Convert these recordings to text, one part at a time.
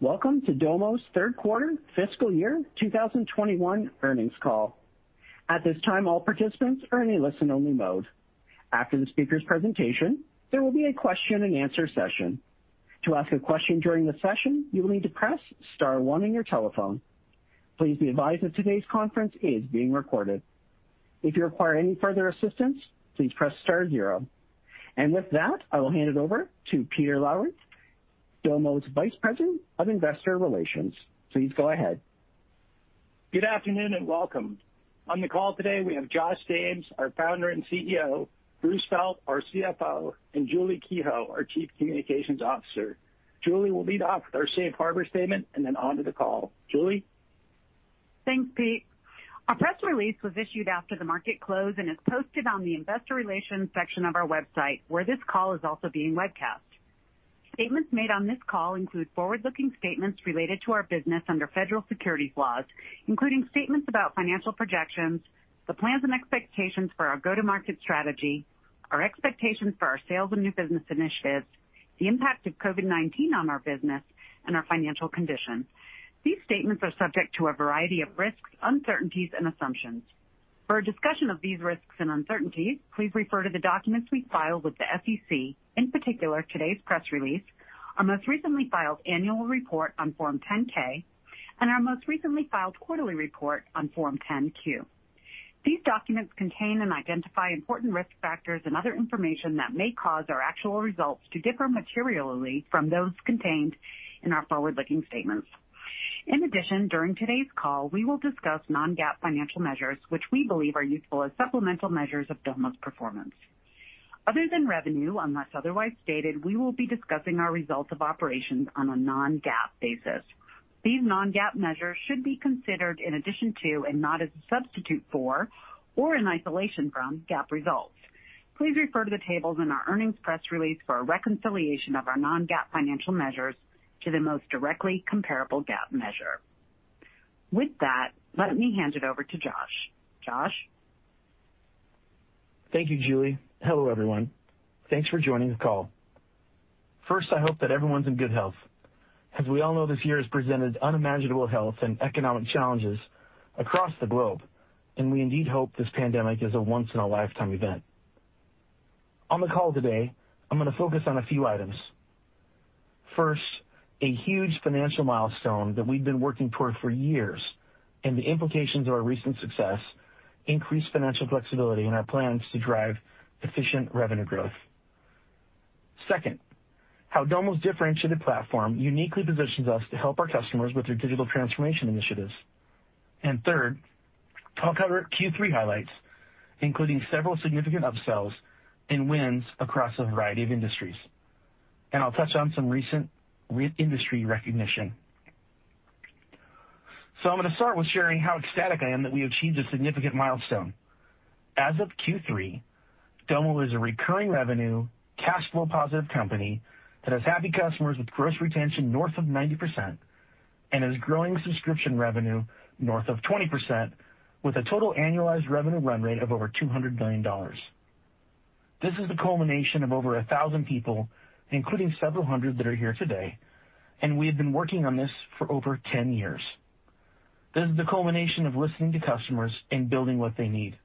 Welcome to Domo's third quarter fiscal year 2021 earnings call. At this time, all participants are in a listen-only mode. After the speaker's presentation, there will be a question-and-answer session. To ask a question during the session, you will need to press star one on your telephone. Please be advised that today's conference is being recorded. If you require any further assistance, please press star zero. With that, I will hand it over to Peter Lowry, Domo's Vice President of Investor Relations. Please go ahead. Good afternoon, and welcome. On the call today, we have Josh James, our Founder and CEO, Bruce Felt, our CFO, and Julie Kehoe, our Chief Communications Officer. Julie will lead off with our safe harbor statement and then on to the call. Julie? Thanks, Pete. Our press release was issued after the market close and is posted on the investor relations section of our website, where this call is also being webcast. Statements made on this call include forward-looking statements related to our business under federal securities laws, including statements about financial projections, the plans and expectations for our go-to-market strategy, our expectations for our sales and new business initiatives, the impact of COVID-19 on our business, and our financial condition. These statements are subject to a variety of risks, uncertainties, and assumptions. For a discussion of these risks and uncertainties, please refer to the documents we filed with the SEC, in particular, today's press release, our most recently filed annual report on Form 10-K, and our most recently filed quarterly report on Form 10-Q. These documents contain and identify important risk factors and other information that may cause our actual results to differ materially from those contained in our forward-looking statements. In addition, during today's call, we will discuss non-GAAP financial measures which we believe are useful as supplemental measures of Domo's performance. Other than revenue, unless otherwise stated, we will be discussing our results of operations on a non-GAAP basis. These non-GAAP measures should be considered in addition to and not as a substitute for or in isolation from GAAP results. Please refer to the tables in our earnings press release for a reconciliation of our non-GAAP financial measures to the most directly comparable GAAP measure. With that, let me hand it over to Josh. Josh? Thank you, Julie. Hello, everyone. Thanks for joining the call. First, I hope that everyone's in good health. As we all know, this year has presented unimaginable health and economic challenges across the globe, and we indeed hope this pandemic is a once-in-a-lifetime event. On the call today, I'm going to focus on a few items. First, a huge financial milestone that we've been working toward for years, and the implications of our recent success, increased financial flexibility, and our plans to drive efficient revenue growth. Second, how Domo's differentiated platform uniquely positions us to help our customers with their digital transformation initiatives. Third, I'll cover Q3 highlights, including several significant upsells and wins across a variety of industries. I'll touch on some recent industry recognition. I'm going to start with sharing how ecstatic I am that we achieved a significant milestone. As of Q3, Domo is a recurring revenue, cash flow positive company that has happy customers with gross retention north of 90% and is growing subscription revenue north of 20% with a total annualized revenue run rate of over $200 million. This is the culmination of over 1,000 people, including several hundred that are here today, and we have been working on this for over 10 years. This is the culmination of listening to customers and building what they need.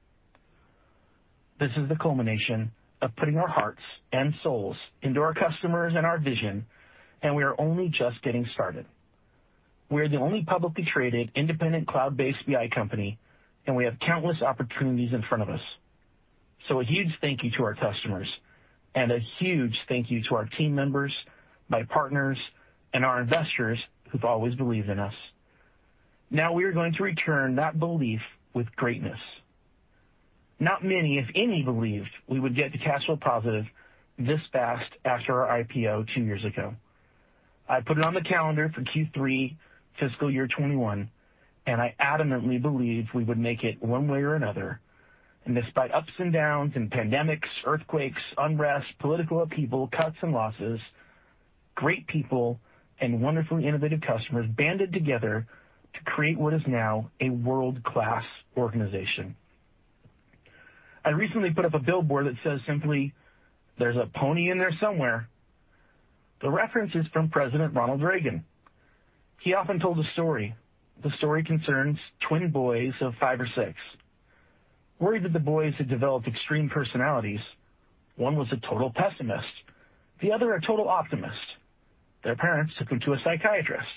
This is the culmination of putting our hearts and souls into our customers and our vision, and we are only just getting started. We are the only publicly traded independent cloud-based BI company, and we have countless opportunities in front of us. A huge thank you to our customers and a huge thank you to our team members, my partners, and our investors who've always believed in us. We are going to return that belief with greatness. Not many, if any, believed we would get to cash flow positive this fast after our IPO two years ago. I put it on the calendar for Q3 fiscal year 2021, I adamantly believed we would make it one way or another. Despite ups and downs and pandemics, earthquakes, unrest, political upheaval, cuts, and losses, great people and wonderfully innovative customers banded together to create what is now a world-class organization. I recently put up a billboard that says simply, "There's a pony in there somewhere." The reference is from President Ronald Reagan. He often told a story. The story concerns twin boys of five or six. Worried that the boys had developed extreme personalities, one was a total pessimist, the other a total optimist, their parents took them to a psychiatrist.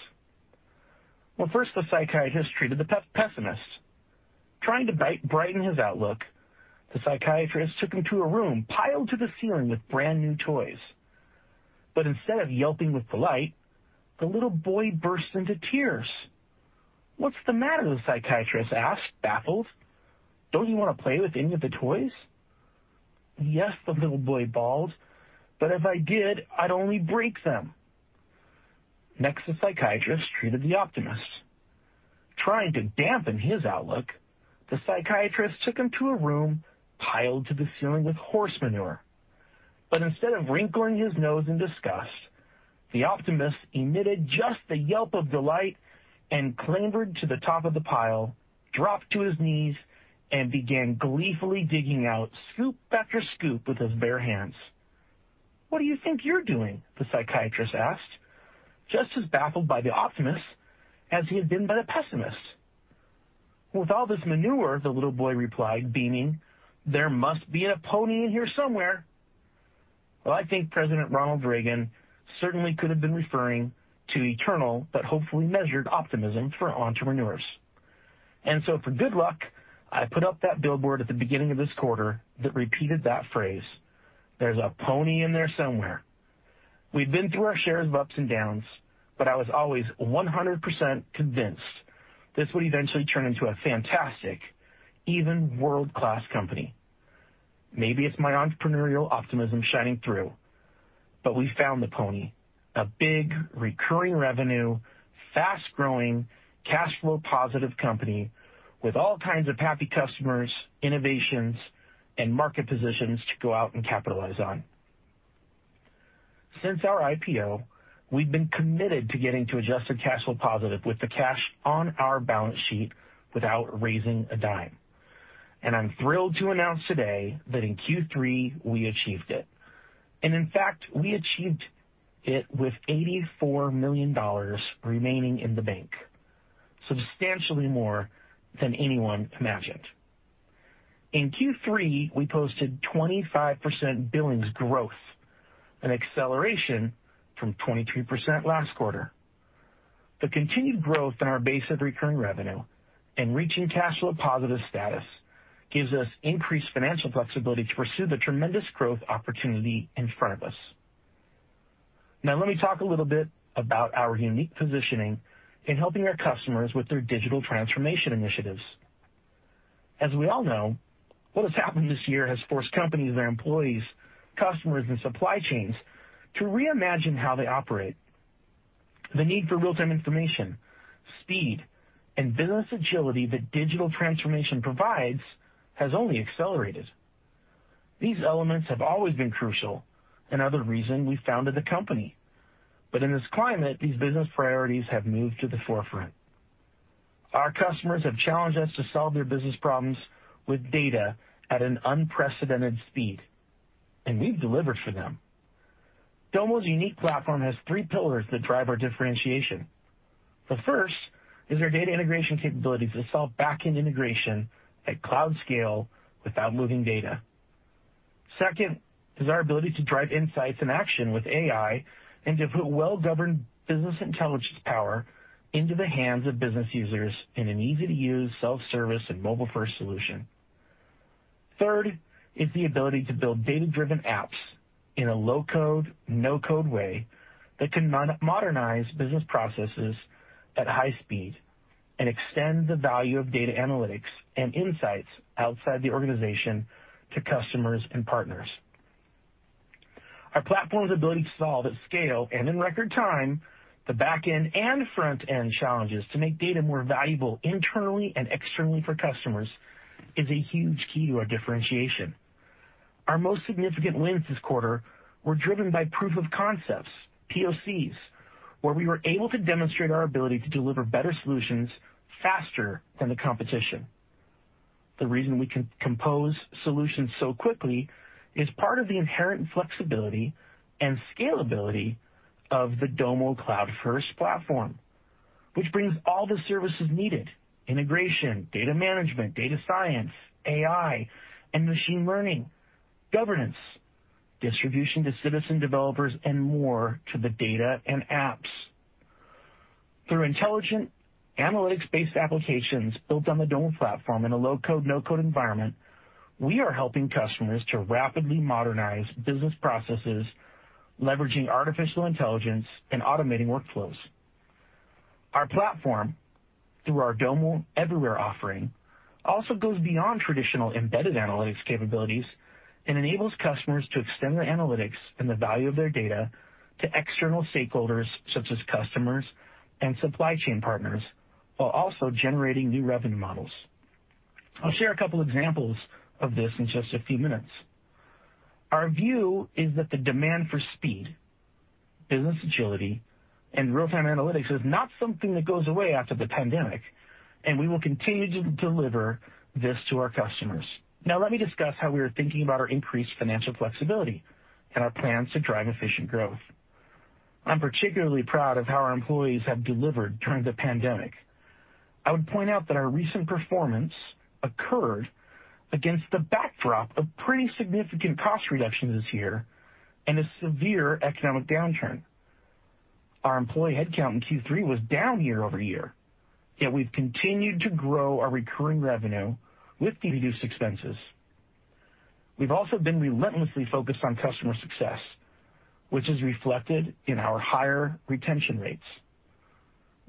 Well, first the psychiatrist treated the pessimist. Trying to brighten his outlook, the psychiatrist took him to a room piled to the ceiling with brand-new toys. Instead of yelping with delight, the little boy burst into tears. "What's the matter?" the psychiatrist asked, baffled. "Don't you want to play with any of the toys?" "Yes," the little boy bawled, "but if I did, I'd only break them." Next, the psychiatrist treated the optimist. Trying to dampen his outlook, the psychiatrist took him to a room piled to the ceiling with horse manure. Instead of wrinkling his nose in disgust, the optimist emitted just the yelp of delight and clambered to the top of the pile, dropped to his knees, and began gleefully digging out scoop after scoop with his bare hands. What do you think you're doing?" the psychiatrist asked, just as baffled by the optimist as he had been by the pessimist. "With all this manure," the little boy replied, beaming, "there must be a pony in here somewhere." Well, I think President Ronald Reagan certainly could have been referring to eternal but hopefully measured optimism for entrepreneurs. For good luck, I put up that billboard at the beginning of this quarter that repeated that phrase, "There's a pony in there somewhere." We've been through our shares of ups and downs, but I was always 100% convinced this would eventually turn into a fantastic, even world-class company. Maybe it's my entrepreneurial optimism shining through, but we found the pony, a big, recurring revenue, fast-growing, cash flow positive company with all kinds of happy customers, innovations, and market positions to go out and capitalize on. Since our IPO, we've been committed to getting to adjusted cash flow positive with the cash on our balance sheet without raising a dime. I'm thrilled to announce today that in Q3, we achieved it. In fact, we achieved it with $84 million remaining in the bank, substantially more than anyone imagined. In Q3, we posted 25% billings growth, an acceleration from 23% last quarter. The continued growth in our base of recurring revenue and reaching cash flow positive status gives us increased financial flexibility to pursue the tremendous growth opportunity in front of us. Let me talk a little bit about our unique positioning in helping our customers with their digital transformation initiatives. As we all know, what has happened this year has forced companies, their employees, customers, and supply chains to reimagine how they operate. The need for real-time information, speed, and business agility that digital transformation provides has only accelerated. These elements have always been crucial and are the reason we founded the company. In this climate, these business priorities have moved to the forefront. Our customers have challenged us to solve their business problems with data at an unprecedented speed, and we've delivered for them. Domo's unique platform has three pillars that drive our differentiation. The first is our data integration capabilities that solve backend integration at cloud scale without moving data. Second is our ability to drive insights and action with AI and to put well-governed business intelligence power into the hands of business users in an easy-to-use self-service and mobile-first solution. Third is the ability to build data-driven apps in a low-code, no-code way that can modernize business processes at high speed and extend the value of data analytics and insights outside the organization to customers and partners. Our platform's ability to solve at scale and in record time the backend and front-end challenges to make data more valuable internally and externally for customers is a huge key to our differentiation. Our most significant wins this quarter were driven by proof of concepts, POCs, where we were able to demonstrate our ability to deliver better solutions faster than the competition. The reason we can compose solutions so quickly is part of the inherent flexibility and scalability of the Domo cloud-first platform, which brings all the services needed, integration, data management, data science, AI and machine learning, governance, distribution to citizen developers, and more to the data and apps. Through intelligent, analytics-based applications built on the Domo platform in a low-code, no-code environment, we are helping customers to rapidly modernize business processes, leveraging artificial intelligence and automating workflows. Our platform, through our Domo Everywhere offering, also goes beyond traditional embedded analytics capabilities and enables customers to extend their analytics and the value of their data to external stakeholders such as customers and supply chain partners, while also generating new revenue models. I'll share a couple examples of this in just a few minutes. Our view is that the demand for speed, business agility, and real-time analytics is not something that goes away after the pandemic, and we will continue to deliver this to our customers. Now, let me discuss how we are thinking about our increased financial flexibility and our plans to drive efficient growth. I'm particularly proud of how our employees have delivered during the pandemic. I would point out that our recent performance occurred against the backdrop of pretty significant cost reductions this year and a severe economic downturn. Our employee headcount in Q3 was down year-over-year, yet we've continued to grow our recurring revenue with reduced expenses. We've also been relentlessly focused on customer success, which is reflected in our higher retention rates.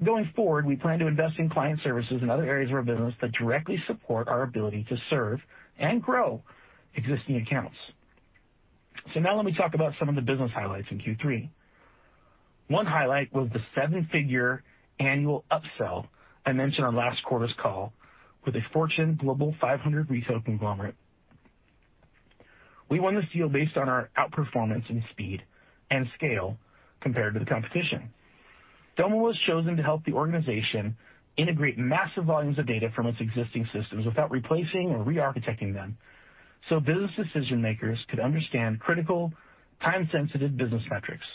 Going forward, we plan to invest in client services and other areas of our business that directly support our ability to serve and grow existing accounts. Now let me talk about some of the business highlights in Q3. One highlight was the seven-figure annual upsell I mentioned on last quarter's call with a Fortune Global 500 retail conglomerate. We won this deal based on our outperformance in speed and scale compared to the competition. Domo was chosen to help the organization integrate massive volumes of data from its existing systems without replacing or re-architecting them so business decision-makers could understand critical, time-sensitive business metrics.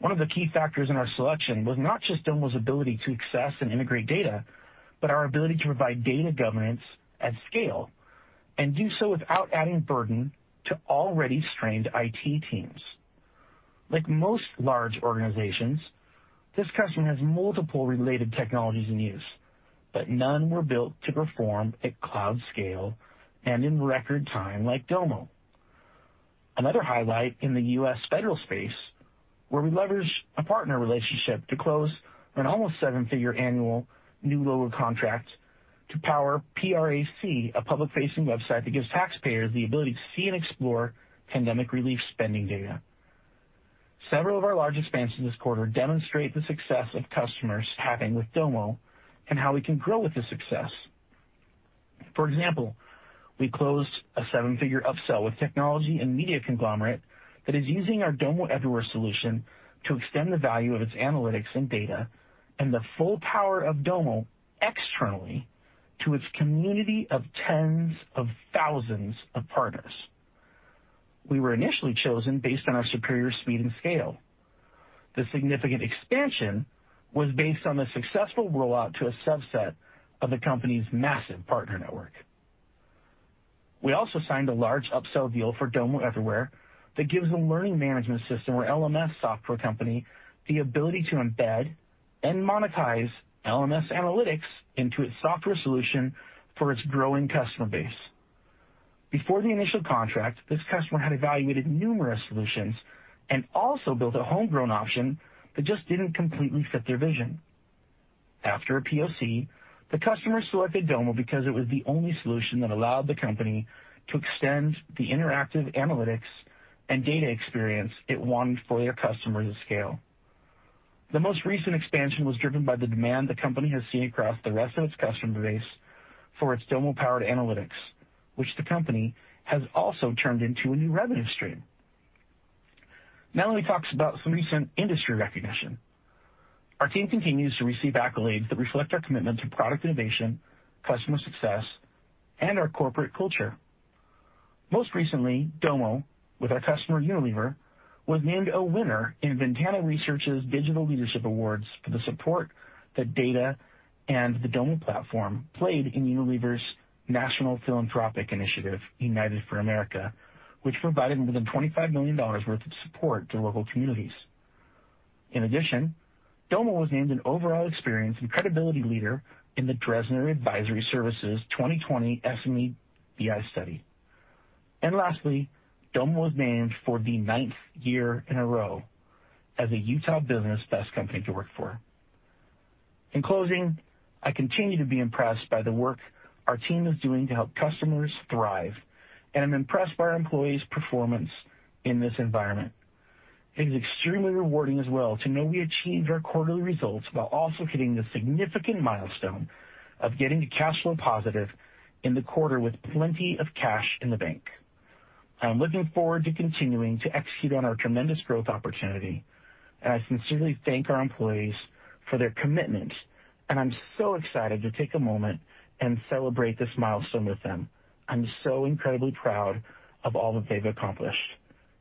One of the key factors in our selection was not just Domo's ability to access and integrate data, but our ability to provide data governance at scale and do so without adding burden to already strained IT teams. None were built to perform at cloud scale and in record time like Domo. Another highlight in the U.S. federal space, where we leveraged a partner relationship to close an almost seven-figure annual new logo contract to power PRAC, a public-facing website that gives taxpayers the ability to see and explore pandemic relief spending data. Several of our largest expansions this quarter demonstrate the success of customers having with Domo and how we can grow with the success. For example, we closed a seven-figure upsell with technology and media conglomerate that is using our Domo Everywhere solution to extend the value of its analytics and data and the full power of Domo externally to its community of tens of thousands of partners. We were initially chosen based on our superior speed and scale. The significant expansion was based on the successful rollout to a subset of the company's massive partner network. We also signed a large upsell deal for Domo Everywhere that gives a learning management system or LMS software company the ability to embed and monetize LMS analytics into its software solution for its growing customer base. Before the initial contract, this customer had evaluated numerous solutions and also built a homegrown option that just didn't completely fit their vision. After a POC, the customer selected Domo because it was the only solution that allowed the company to extend the interactive analytics and data experience it wanted for their customers at scale. The most recent expansion was driven by the demand the company has seen across the rest of its customer base for its Domo-powered analytics, which the company has also turned into a new revenue stream. Now let me talk about some recent industry recognition. Our team continues to receive accolades that reflect our commitment to product innovation, customer success, and our corporate culture. Most recently, Domo, with our customer, Unilever, was named a winner in Ventana Research Digital Leadership Awards for the support that data and the Domo platform played in Unilever's national philanthropic initiative, United for America, which provided more than $25 million worth of support to local communities. In addition, Domo was named an overall experience and credibility leader in the Dresner Advisory Services 2020 SME BI study. Lastly, Domo was named for the ninth year in a row as a Utah Business Best Company to Work For. In closing, I continue to be impressed by the work our team is doing to help customers thrive, and I'm impressed by our employees' performance in this environment. It is extremely rewarding as well to know we achieved our quarterly results while also hitting the significant milestone of getting to cash flow positive in the quarter with plenty of cash in the bank. I am looking forward to continuing to execute on our tremendous growth opportunity, and I sincerely thank our employees for their commitment, and I'm so excited to take a moment and celebrate this milestone with them. I'm so incredibly proud of all that they've accomplished.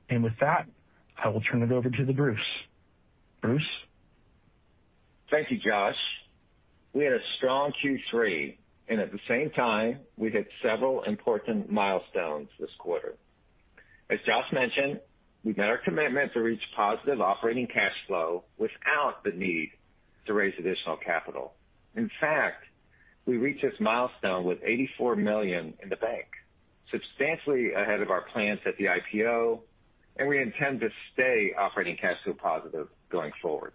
With that, I will turn it over to the Bruce. Bruce? Thank you, Josh. We had a strong Q3, and at the same time, we hit several important milestones this quarter. As Josh mentioned, we met our commitment to reach positive operating cash flow without the need to raise additional capital. In fact, we reached this milestone with $84 million in the bank, substantially ahead of our plans at the IPO, and we intend to stay operating cash flow positive going forward.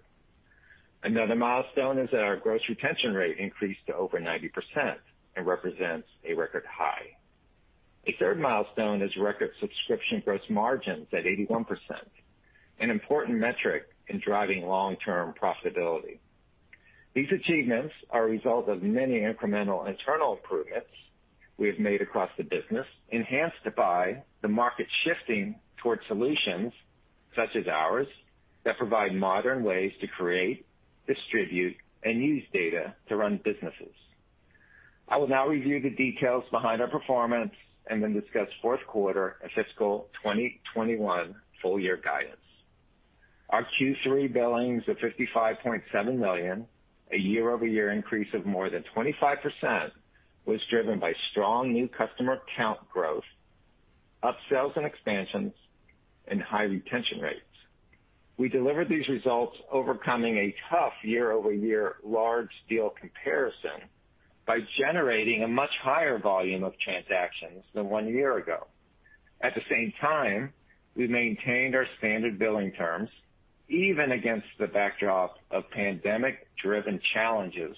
Another milestone is that our gross retention rate increased to over 90% and represents a record high. A third milestone is record subscription gross margins at 81%, an important metric in driving long-term profitability. These achievements are a result of many incremental internal improvements we have made across the business, enhanced by the market shifting towards solutions such as ours that provide modern ways to create, distribute, and use data to run businesses. I will now review the details behind our performance and then discuss fourth quarter and fiscal 2021 full-year guidance. Our Q3 billings of $55.7 million, a year-over-year increase of more than 25%, was driven by strong new customer count growth, upsells and expansions, and high retention rates. We delivered these results overcoming a tough year-over-year large deal comparison by generating a much higher volume of transactions than one year ago. At the same time, we maintained our standard billing terms, even against the backdrop of pandemic-driven challenges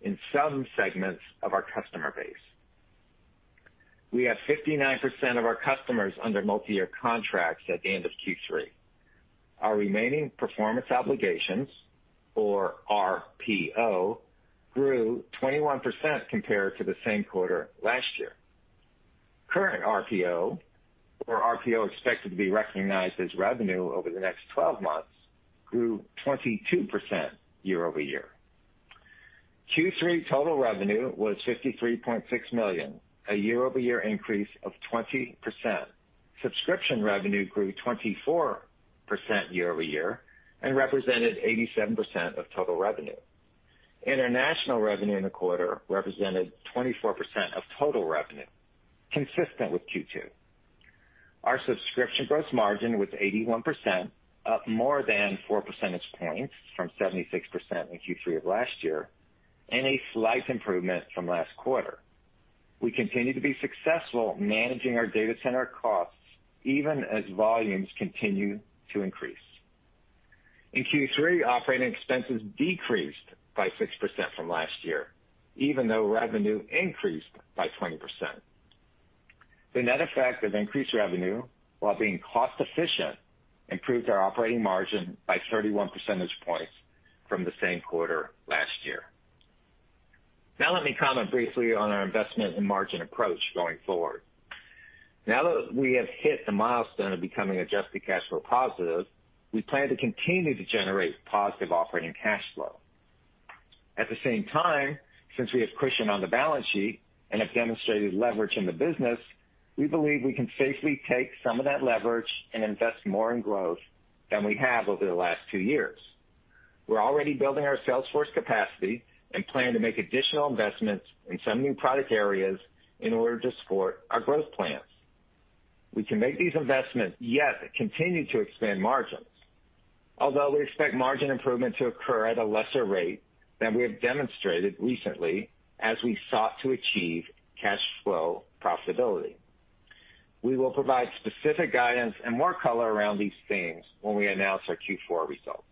in some segments of our customer base. We have 59% of our customers under multi-year contracts at the end of Q3. Our remaining performance obligations, or RPO, grew 21% compared to the same quarter last year. Current RPO, or RPO expected to be recognized as revenue over the next 12 months, grew 22% year-over-year. Q3 total revenue was $53.6 million, a year-over-year increase of 20%. Subscription revenue grew 24% year-over-year and represented 87% of total revenue. International revenue in the quarter represented 24% of total revenue, consistent with Q2. Our subscription gross margin was 81%, up more than four percentage points from 76% in Q3 of last year, and a slight improvement from last quarter. We continue to be successful managing our data center costs even as volumes continue to increase. In Q3, operating expenses decreased by 6% from last year, even though revenue increased by 20%. The net effect of increased revenue, while being cost efficient, improved our operating margin by 31 percentage points from the same quarter last year. Now let me comment briefly on our investment and margin approach going forward. Now that we have hit the milestone of becoming adjusted cash flow positive, we plan to continue to generate positive operating cash flow. At the same time, since we have cushion on the balance sheet and have demonstrated leverage in the business, we believe we can safely take some of that leverage and invest more in growth than we have over the last two years. We're already building our sales force capacity and plan to make additional investments in some new product areas in order to support our growth plans. We can make these investments, yet continue to expand margins. Although we expect margin improvement to occur at a lesser rate than we have demonstrated recently as we sought to achieve cash flow profitability. We will provide specific guidance and more color around these themes when we announce our Q4 results.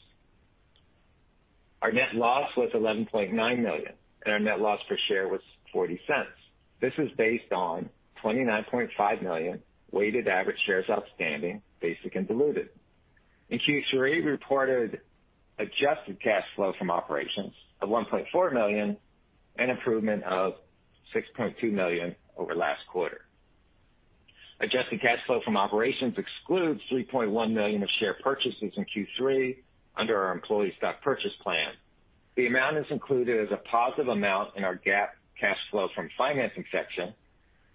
Our net loss was $11.9 million, and our net loss per share was $0.40. This was based on 29.5 million weighted average shares outstanding, basic and diluted. In Q3, we reported adjusted cash flow from operations of $1.4 million, an improvement of $6.2 million over last quarter. Adjusted cash flow from operations excludes $3.1 million of share purchases in Q3 under our employee stock purchase plan. The amount is included as a positive amount in our GAAP cash flow from financing section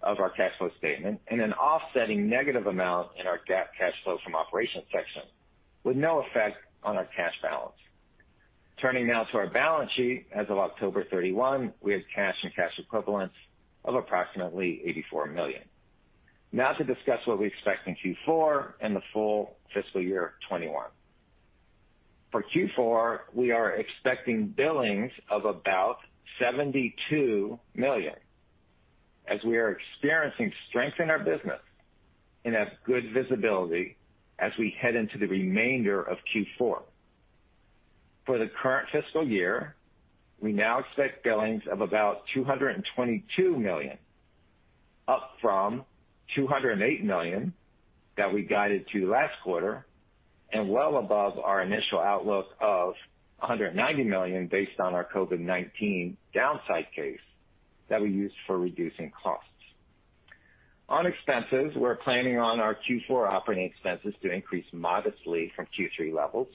of our cash flow statement, and an offsetting negative amount in our GAAP cash flow from operations section, with no effect on our cash balance. Turning now to our balance sheet as of October 31, we had cash and cash equivalents of approximately $84 million. Now to discuss what we expect in Q4 and the full fiscal year 2021. For Q4, we are expecting billings of about $72 million, as we are experiencing strength in our business and have good visibility as we head into the remainder of Q4. For the current fiscal year, we now expect billings of about $222 million, up from $208 million that we guided to last quarter, and well above our initial outlook of $190 million based on our COVID-19 downside case that we used for reducing costs. On expenses, we're planning on our Q4 operating expenses to increase modestly from Q3 levels.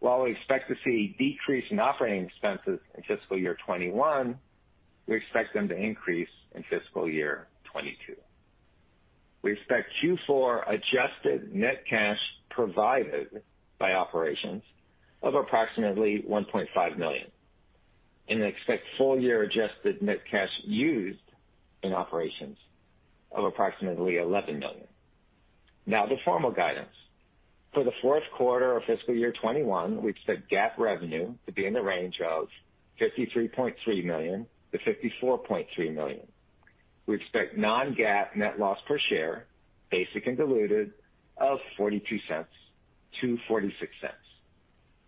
While we expect to see a decrease in operating expenses in fiscal year 2021, we expect them to increase in fiscal year 2022. We expect Q4 adjusted net cash provided by operations of approximately $1.5 million, and expect full year adjusted net cash used in operations of approximately $11 million. Now the formal guidance. For the fourth quarter of fiscal year 2021, we expect GAAP revenue to be in the range of $53.3 million-$54.3 million. We expect non-GAAP net loss per share, basic and diluted, of $0.42-$0.46.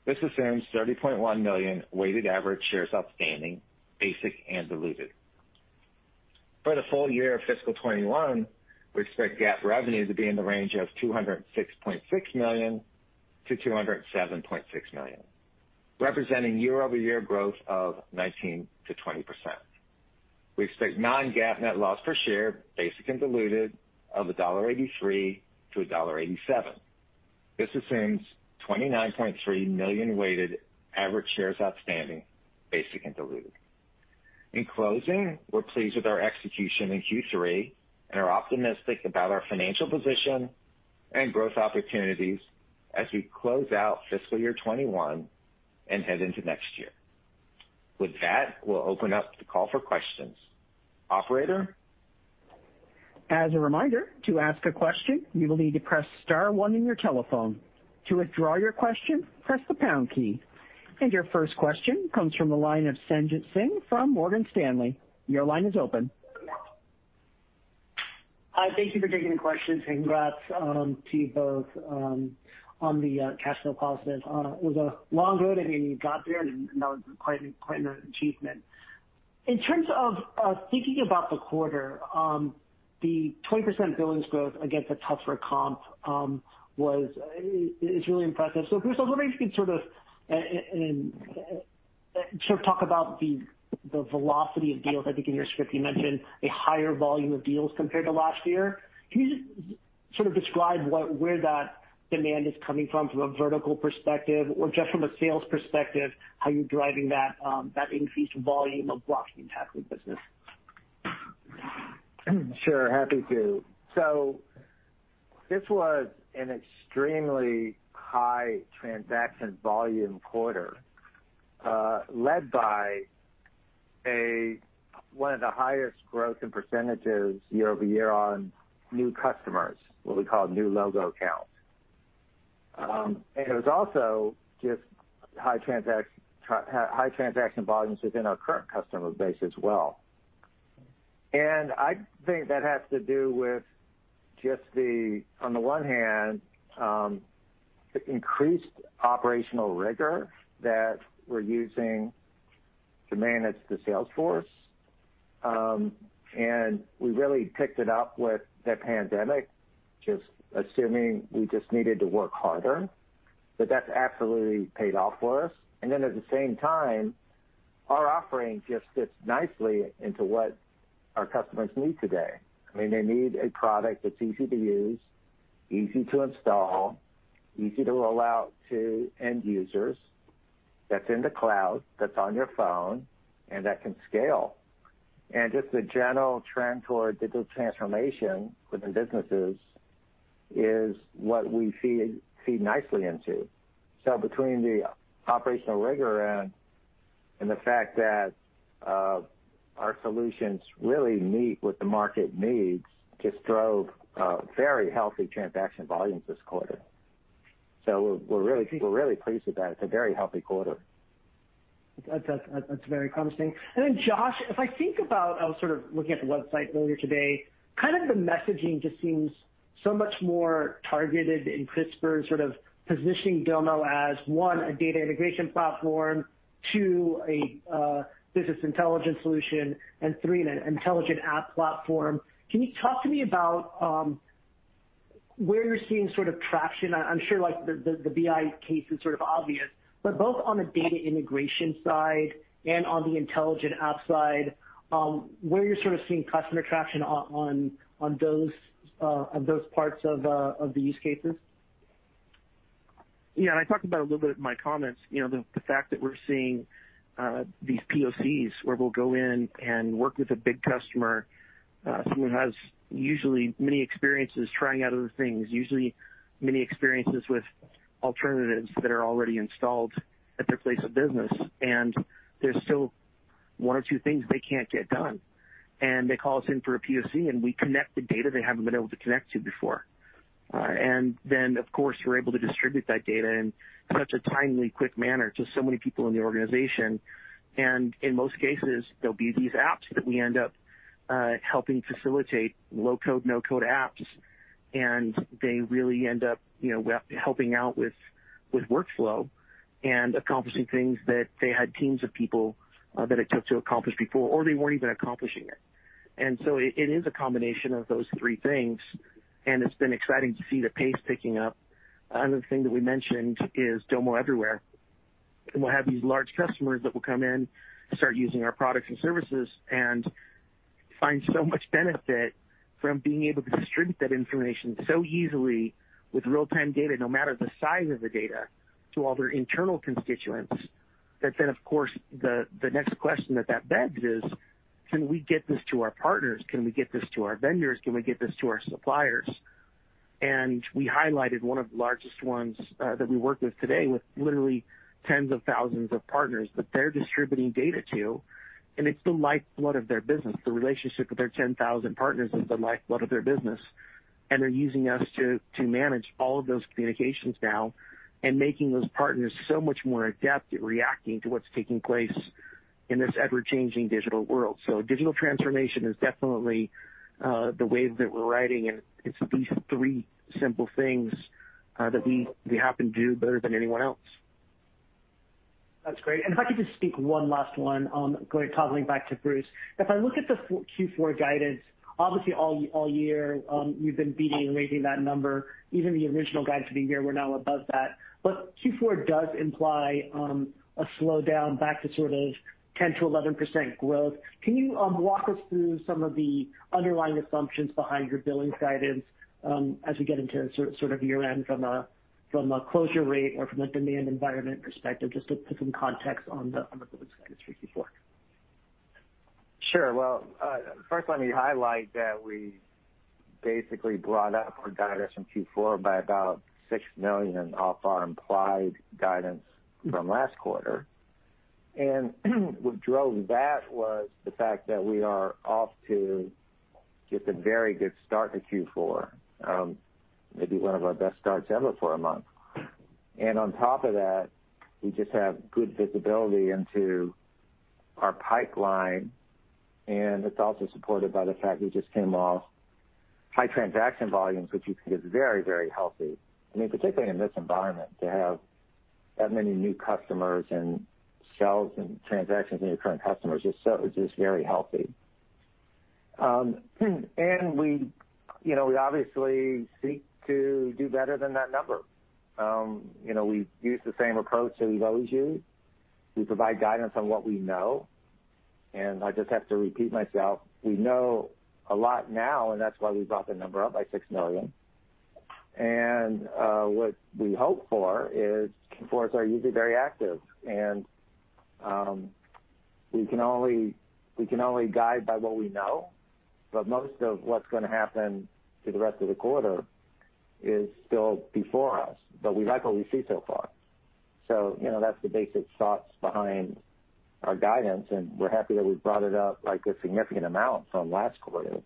This assumes 30.1 million weighted average shares outstanding, basic and diluted. For the full year of fiscal 2021, we expect GAAP revenue to be in the range of $206.6 million-$207.6 million, representing year-over-year growth of 19%-20%. We expect non-GAAP net loss per share, basic and diluted, of $1.83-$1.87. This assumes 29.3 million weighted average shares outstanding, basic and diluted. In closing, we're pleased with our execution in Q3 and are optimistic about our financial position and growth opportunities as we close out fiscal year 2021 and head into next year. With that, we'll open up the call for questions. Operator? As a reminder, to ask a question, you will need to press star one on your telephone. To withdraw your question, press the pound key. Your first question comes from the line of Sanjit Singh from Morgan Stanley. Your line is open. Hi. Thank you for taking the question. Congrats to you both on the cash flow positives. It was a long road, and you got there, and that was quite an achievement. In terms of thinking about the quarter, the 20% billings growth against a tougher comp is really impressive. Bruce, I was wondering if you could sort of talk about the velocity of deals. I think in your script you mentioned a higher volume of deals compared to last year. Can you just sort of describe where that demand is coming from a vertical perspective or just from a sales perspective, how you're driving that increased volume of blocking and tackling business? Sure. Happy to. This was an extremely high transaction volume quarter, led by one of the highest growth in percentages year-over-year on new customers, what we call new logo accounts. It was also just high transaction volumes within our current customer base as well. I think that has to do with just the, on the one hand, the increased operational rigor that we're using to manage the sales force. We really picked it up with the pandemic, just assuming we just needed to work harder, but that's absolutely paid off for us. At the same time, our offering just fits nicely into what our customers need today. I mean, they need a product that's easy to use, easy to install, easy to roll out to end users, that's in the cloud, that's on your phone, and that can scale. Just the general trend toward digital transformation within businesses is what we feed nicely into. Between the operational rigor and the fact that our solutions really meet what the market needs just drove very healthy transaction volumes this quarter. We're really pleased with that. It's a very healthy quarter. That's very promising. Josh, if I think about, I was sort of looking at the website earlier today, kind of the messaging just seems so much more targeted and crisper in sort of positioning Domo as one, a data integration platform, two, a business intelligence solution, and three, an intelligent app platform. Can you talk to me about where you're seeing sort of traction? I'm sure the BI case is sort of obvious, but both on the data integration side and on the intelligent app side, where you're sort of seeing customer traction on those parts of the use cases? Yeah, I talked about it a little bit in my comments, the fact that we're seeing these POCs where we'll go in and work with a big customer, someone who has usually many experiences trying out other things, usually many experiences with alternatives that are already installed at their place of business, and there's still one or two things they can't get done. They call us in for a POC, and we connect the data they haven't been able to connect to before. Then, of course, we're able to distribute that data in such a timely, quick manner to so many people in the organization. In most cases, there'll be these apps that we end up helping facilitate, low-code, no-code apps, and they really end up helping out with workflow and accomplishing things that they had teams of people that it took to accomplish before, or they weren't even accomplishing it. It is a combination of those three things, and it's been exciting to see the pace picking up. Another thing that we mentioned is Domo Everywhere. We'll have these large customers that will come in, start using our products and services, and find so much benefit from being able to distribute that information so easily with real-time data, no matter the size of the data, to all their internal constituents. That then, of course, the next question that that begs is, can we get this to our partners? Can we get this to our vendors? Can we get this to our suppliers? We highlighted one of the largest ones that we work with today with literally tens of thousands of partners that they're distributing data to, and it's the lifeblood of their business. The relationship with their 10,000 partners is the lifeblood of their business, and they're using us to manage all of those communications now and making those partners so much more adept at reacting to what's taking place in this ever-changing digital world. Digital transformation is definitely the wave that we're riding, and it's these three simple things that we happen to do better than anyone else. That's great. If I could just speak one last one, toggling back to Bruce. If I look at the Q4 guidance, obviously all year, you've been beating and raising that number, even the original guidance for the year, we're now above that. Q4 does imply a slowdown back to sort of 10%-11% growth. Can you walk us through some of the underlying assumptions behind your billing guidance as we get into sort of year-end from a closure rate or from a demand environment perspective, just to put some context on the guidance for Q4? Sure. Well, first let me highlight that we basically brought up our guidance in Q4 by about $6 million off our implied guidance from last quarter. What drove that was the fact that we are off to just a very good start to Q4, maybe one of our best starts ever for a month. On top of that, we just have good visibility into our pipeline, and it's also supported by the fact we just came off-high transaction volumes, which we think is very healthy. Particularly in this environment, to have that many new customers and sales and transactions from your current customers is just very healthy. We obviously seek to do better than that number. We use the same approach that we've always used. We provide guidance on what we know, and I just have to repeat myself. We know a lot now. That's why we brought the number up by $6 million. What we hope for is, our users are usually very active, and we can only guide by what we know. Most of what's going to happen through the rest of the quarter is still before us, but we like what we see so far. That's the basic thoughts behind our guidance, and we're happy that we've brought it up by a significant amount from last quarter.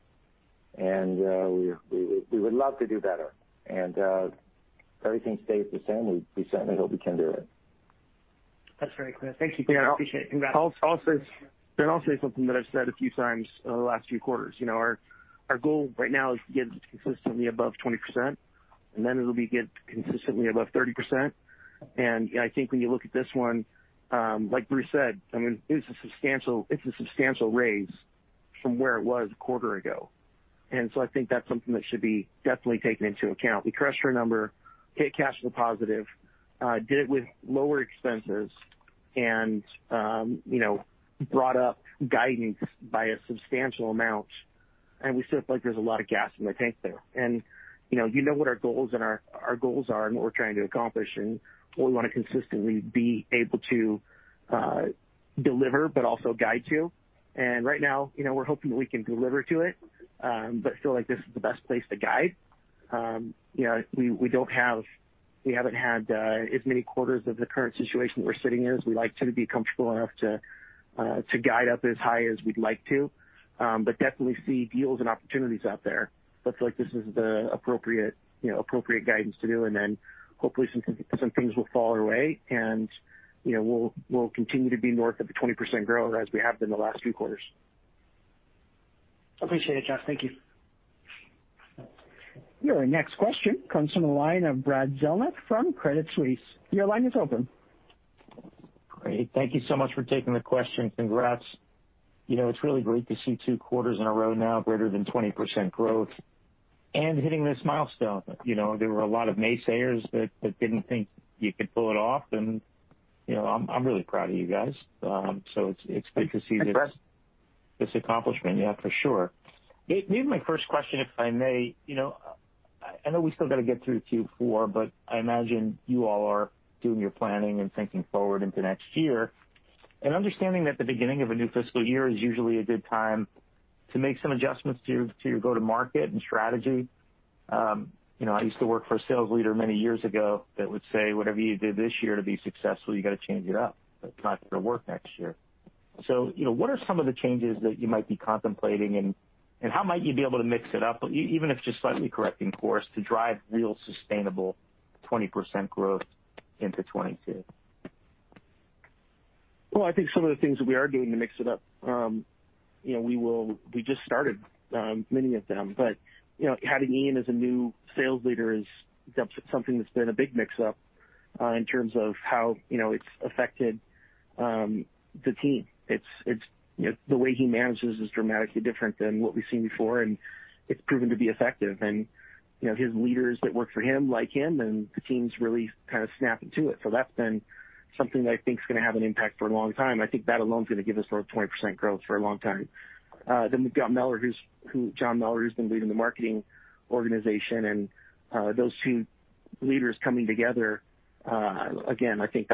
We would love to do better. If everything stays the same, we certainly hope we can do it. That's very clear. Thank you, Bruce. Appreciate it. Congrats. I'll say something that I've said a few times over the last few quarters. Our goal right now is to get consistently above 20%, then it'll be get consistently above 30%. I think when you look at this one, like Bruce said, it's a substantial raise from where it was a quarter ago. I think that's something that should be definitely taken into account. We crushed our number, hit cash flow positive, did it with lower expenses, and brought up guidance by a substantial amount, and we still feel like there's a lot of gas in the tank there. You know what our goals are and what we're trying to accomplish, and what we want to consistently be able to deliver, but also guide to. Right now, we're hoping that we can deliver to it, but feel like this is the best place to guide. We haven't had as many quarters of the current situation that we're sitting in, as we like to be comfortable enough to guide up as high as we'd like to, but definitely see deals and opportunities out there. Feel like this is the appropriate guidance to do, and then hopefully some things will fall our way and we'll continue to be north of the 20% grower as we have been the last few quarters. Appreciate it, Josh. Thank you. Your next question comes from the line of Brad Zelnick from Credit Suisse. Your line is open. Great. Thank you so much for taking the question. Congrats. It's really great to see two quarters in a row now greater than 20% growth and hitting this milestone. There were a lot of naysayers that didn't think you could pull it off, and I'm really proud of you guys. It's good to see this. This accomplishment. Yeah, for sure. Maybe my first question, if I may. I know we still got to get through Q4, but I imagine you all are doing your planning and thinking forward into next year, and understanding that the beginning of a new fiscal year is usually a good time to make some adjustments to your go-to-market and strategy. I used to work for a sales leader many years ago that would say, "Whatever you did this year to be successful, you got to change it up. It's not going to work next year." What are some of the changes that you might be contemplating, and how might you be able to mix it up, even if just slightly correcting course, to drive real sustainable 20% growth into 2022? Well, I think some of the things that we are doing to mix it up. We just started many of them, but having Ian as a new sales leader is something that's been a big mix up in terms of how it's affected the team. The way he manages is dramatically different than what we've seen before, and it's proven to be effective. His leaders that work for him, like him, and the team's really kind of snapping to it. That's been something that I think is going to have an impact for a long time. I think that alone is going to give us north of 20% growth for a long time. We've got John Mueller, who's been leading the marketing organization, and those two leaders coming together. Again, I think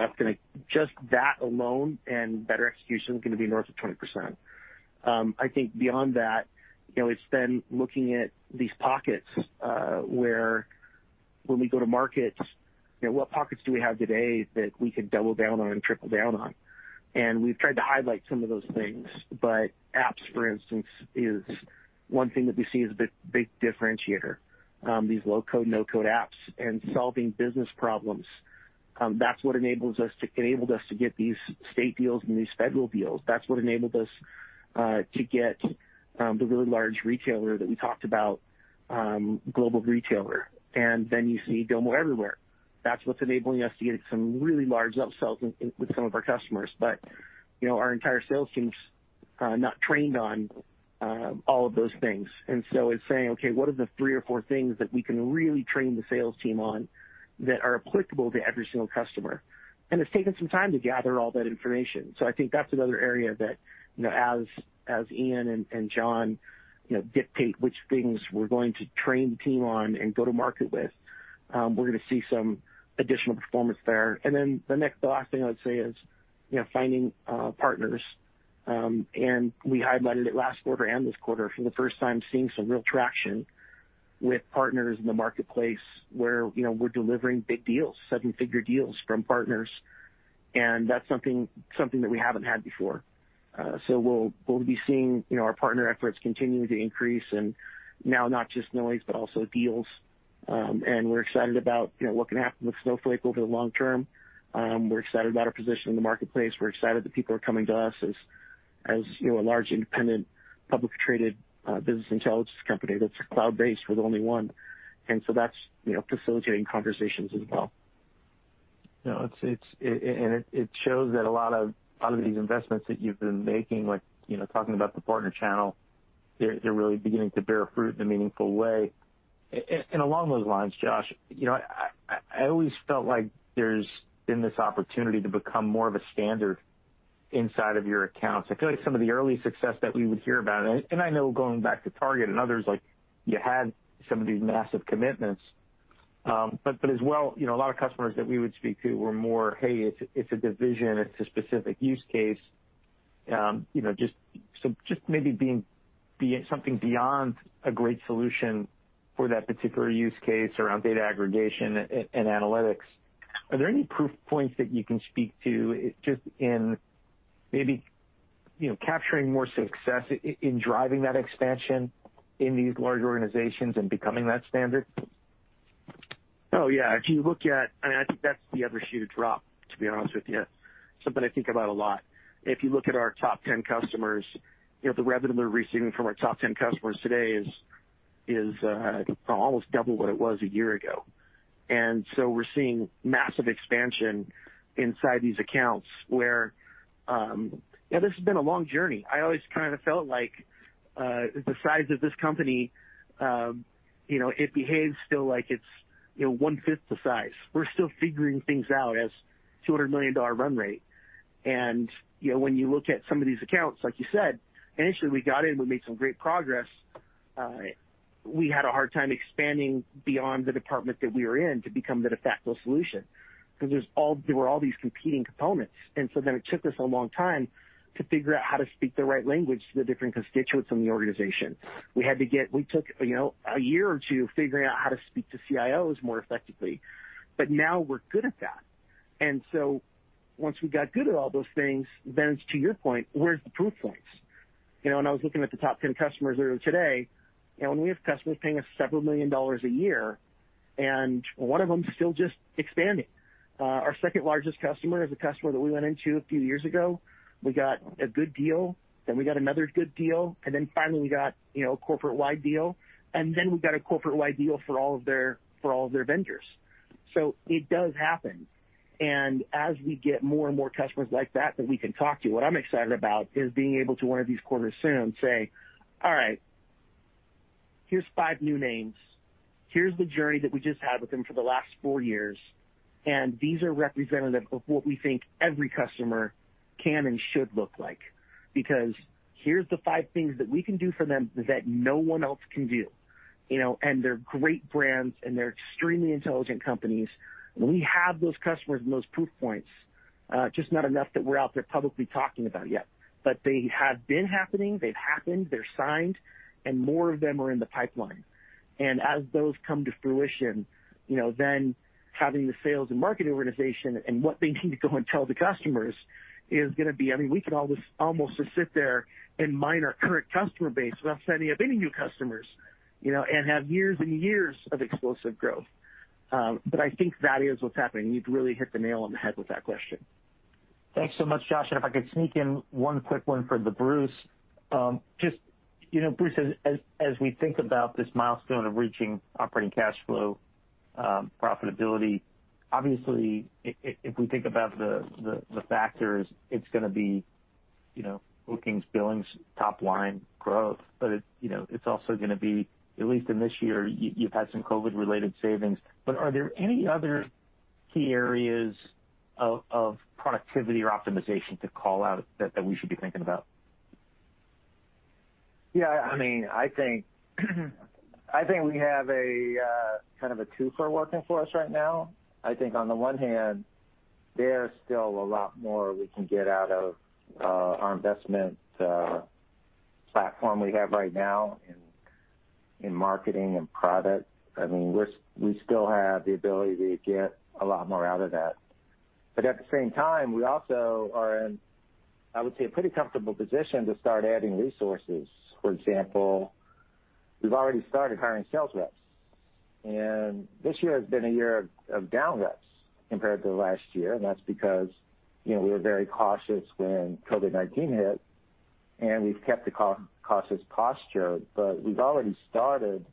just that alone and better execution is going to be north of 20%. I think beyond that, it's then looking at these pockets where when we go-to-market, what pockets do we have today that we could double down on and triple down on? We've tried to highlight some of those things, but apps, for instance, is one thing that we see as a big differentiator. These low-code, no-code apps and solving business problems. That's what enabled us to get these state deals and these federal deals. That's what enabled us to get the really large retailer that we talked about, global retailer. Then you see Domo Everywhere. That's what's enabling us to get some really large upsells with some of our customers. Our entire sales team's not trained on all of those things. It's saying, "Okay, what are the three or four things that we can really train the sales team on that are applicable to every single customer?" It's taken some time to gather all that information. I think that's another area that, as Ian and John dictate which things we're going to train the team on and go-to-market with, we're going to see some additional performance there. The next thing I would say is finding partners. We highlighted it last quarter and this quarter for the first time, seeing some real traction with partners in the marketplace where we're delivering big deals, seven-figure deals from partners, and that's something that we haven't had before. We'll be seeing our partner efforts continue to increase, and now not just noise, but also deals. We're excited about what can happen with Snowflake over the long-term. We're excited about our position in the marketplace. We're excited that people are coming to us as a large independent public traded business intelligence company that's cloud-based. We're the only one. That's facilitating conversations as well. No, it shows that a lot of these investments that you've been making, like talking about the partner channel, they're really beginning to bear fruit in a meaningful way. Along those lines, Josh, I always felt like there's been this opportunity to become more of a standard inside of your accounts. I feel like some of the early success that we would hear about, and I know going back to Target and others, like you had some of these massive commitments. As well, a lot of customers that we would speak to were more, "Hey, it's a division, it's a specific use case." Just maybe being something beyond a great solution for that particular use case around data aggregation and analytics. Are there any proof points that you can speak to just in maybe capturing more success in driving that expansion in these large organizations and becoming that standard? Oh, yeah. I think that's the other shoe to drop, to be honest with you. Something I think about a lot. If you look at our top 10 customers, the revenue we're receiving from our top 10 customers today is almost double what it was a year ago. We're seeing massive expansion inside these accounts where this has been a long journey. I always kind of felt like the size of this company, it behaves still like it's 1/5 the size. We're still figuring things out as $200 million run rate. When you look at some of these accounts, like you said, initially we got in, we made some great progress. We had a hard time expanding beyond the department that we were in to become the de facto solution, because there were all these competing components. It took us a long time to figure out how to speak the right language to the different constituents in the organization. We took a year or two figuring out how to speak to CIOs more effectively, but now we're good at that. Once we got good at all those things, then to your point, where's the proof points? I was looking at the top 10 customers earlier today, and we have customers paying us several million dollars a year, and one of them is still just expanding. Our second largest customer is a customer that we went into a few years ago. We got a good deal, then we got another good deal, and then finally we got a corporate-wide deal, and then we got a corporate-wide deal for all of their vendors. It does happen. As we get more and more customers like that we can talk to, what I'm excited about is being able to one of these quarters soon say, "All right, here's five new names. Here's the journey that we just had with them for the last four years, and these are representative of what we think every customer can and should look like, because here's the five things that we can do for them that no one else can do." They're great brands, and they're extremely intelligent companies. We have those customers and those proof points, just not enough that we're out there publicly talking about yet. They have been happening, they've happened, they're signed, and more of them are in the pipeline. As those come to fruition, having the sales and marketing organization and what they need to go and tell the customers is going to be, I mean, we can almost just sit there and mine our current customer base without signing up any new customers, and have years and years of explosive growth. I think that is what's happening. You've really hit the nail on the head with that question. Thanks so much, Josh. If I could sneak in one quick one for the Bruce. Bruce, as we think about this milestone of reaching operating cash flow profitability, obviously, if we think about the factors, it's going to be bookings, billings, top line growth. It's also going to be, at least in this year, you've had some COVID-related savings. Are there any other key areas of productivity or optimization to call out that we should be thinking about? Yeah, I think we have a kind of a twofer working for us right now. I think on the one hand, there's still a lot more we can get out of our investment platform we have right now in marketing and product. We still have the ability to get a lot more out of that. At the same time, we also are in, I would say, a pretty comfortable position to start adding resources. For example, we've already started hiring sales reps, this year has been a year of down reps compared to last year, that's because we were very cautious when COVID-19 hit, and we've kept the cautious posture. We've already started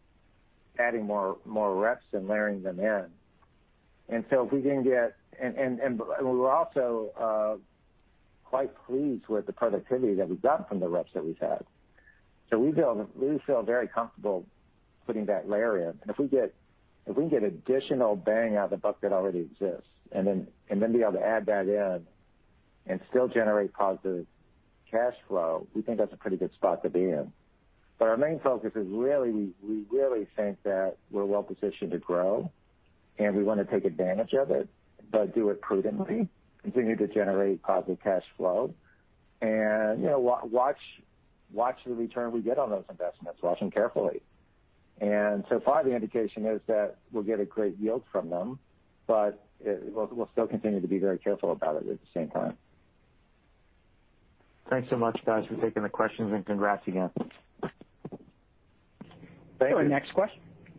adding more reps and layering them in. We're also quite pleased with the productivity that we've gotten from the reps that we've had. We feel very comfortable putting that layer in. If we can get additional bang out of the buck that already exists, and then be able to add that in and still generate positive cash flow, we think that's a pretty good spot to be in. Our main focus is really, we really think that we're well-positioned to grow, and we want to take advantage of it, but do it prudently, continue to generate positive cash flow, and watch the return we get on those investments. Watch them carefully. So far, the indication is that we'll get a great yield from them, but we'll still continue to be very careful about it at the same time. Thanks so much, guys, for taking the questions, and congrats again. Thank you.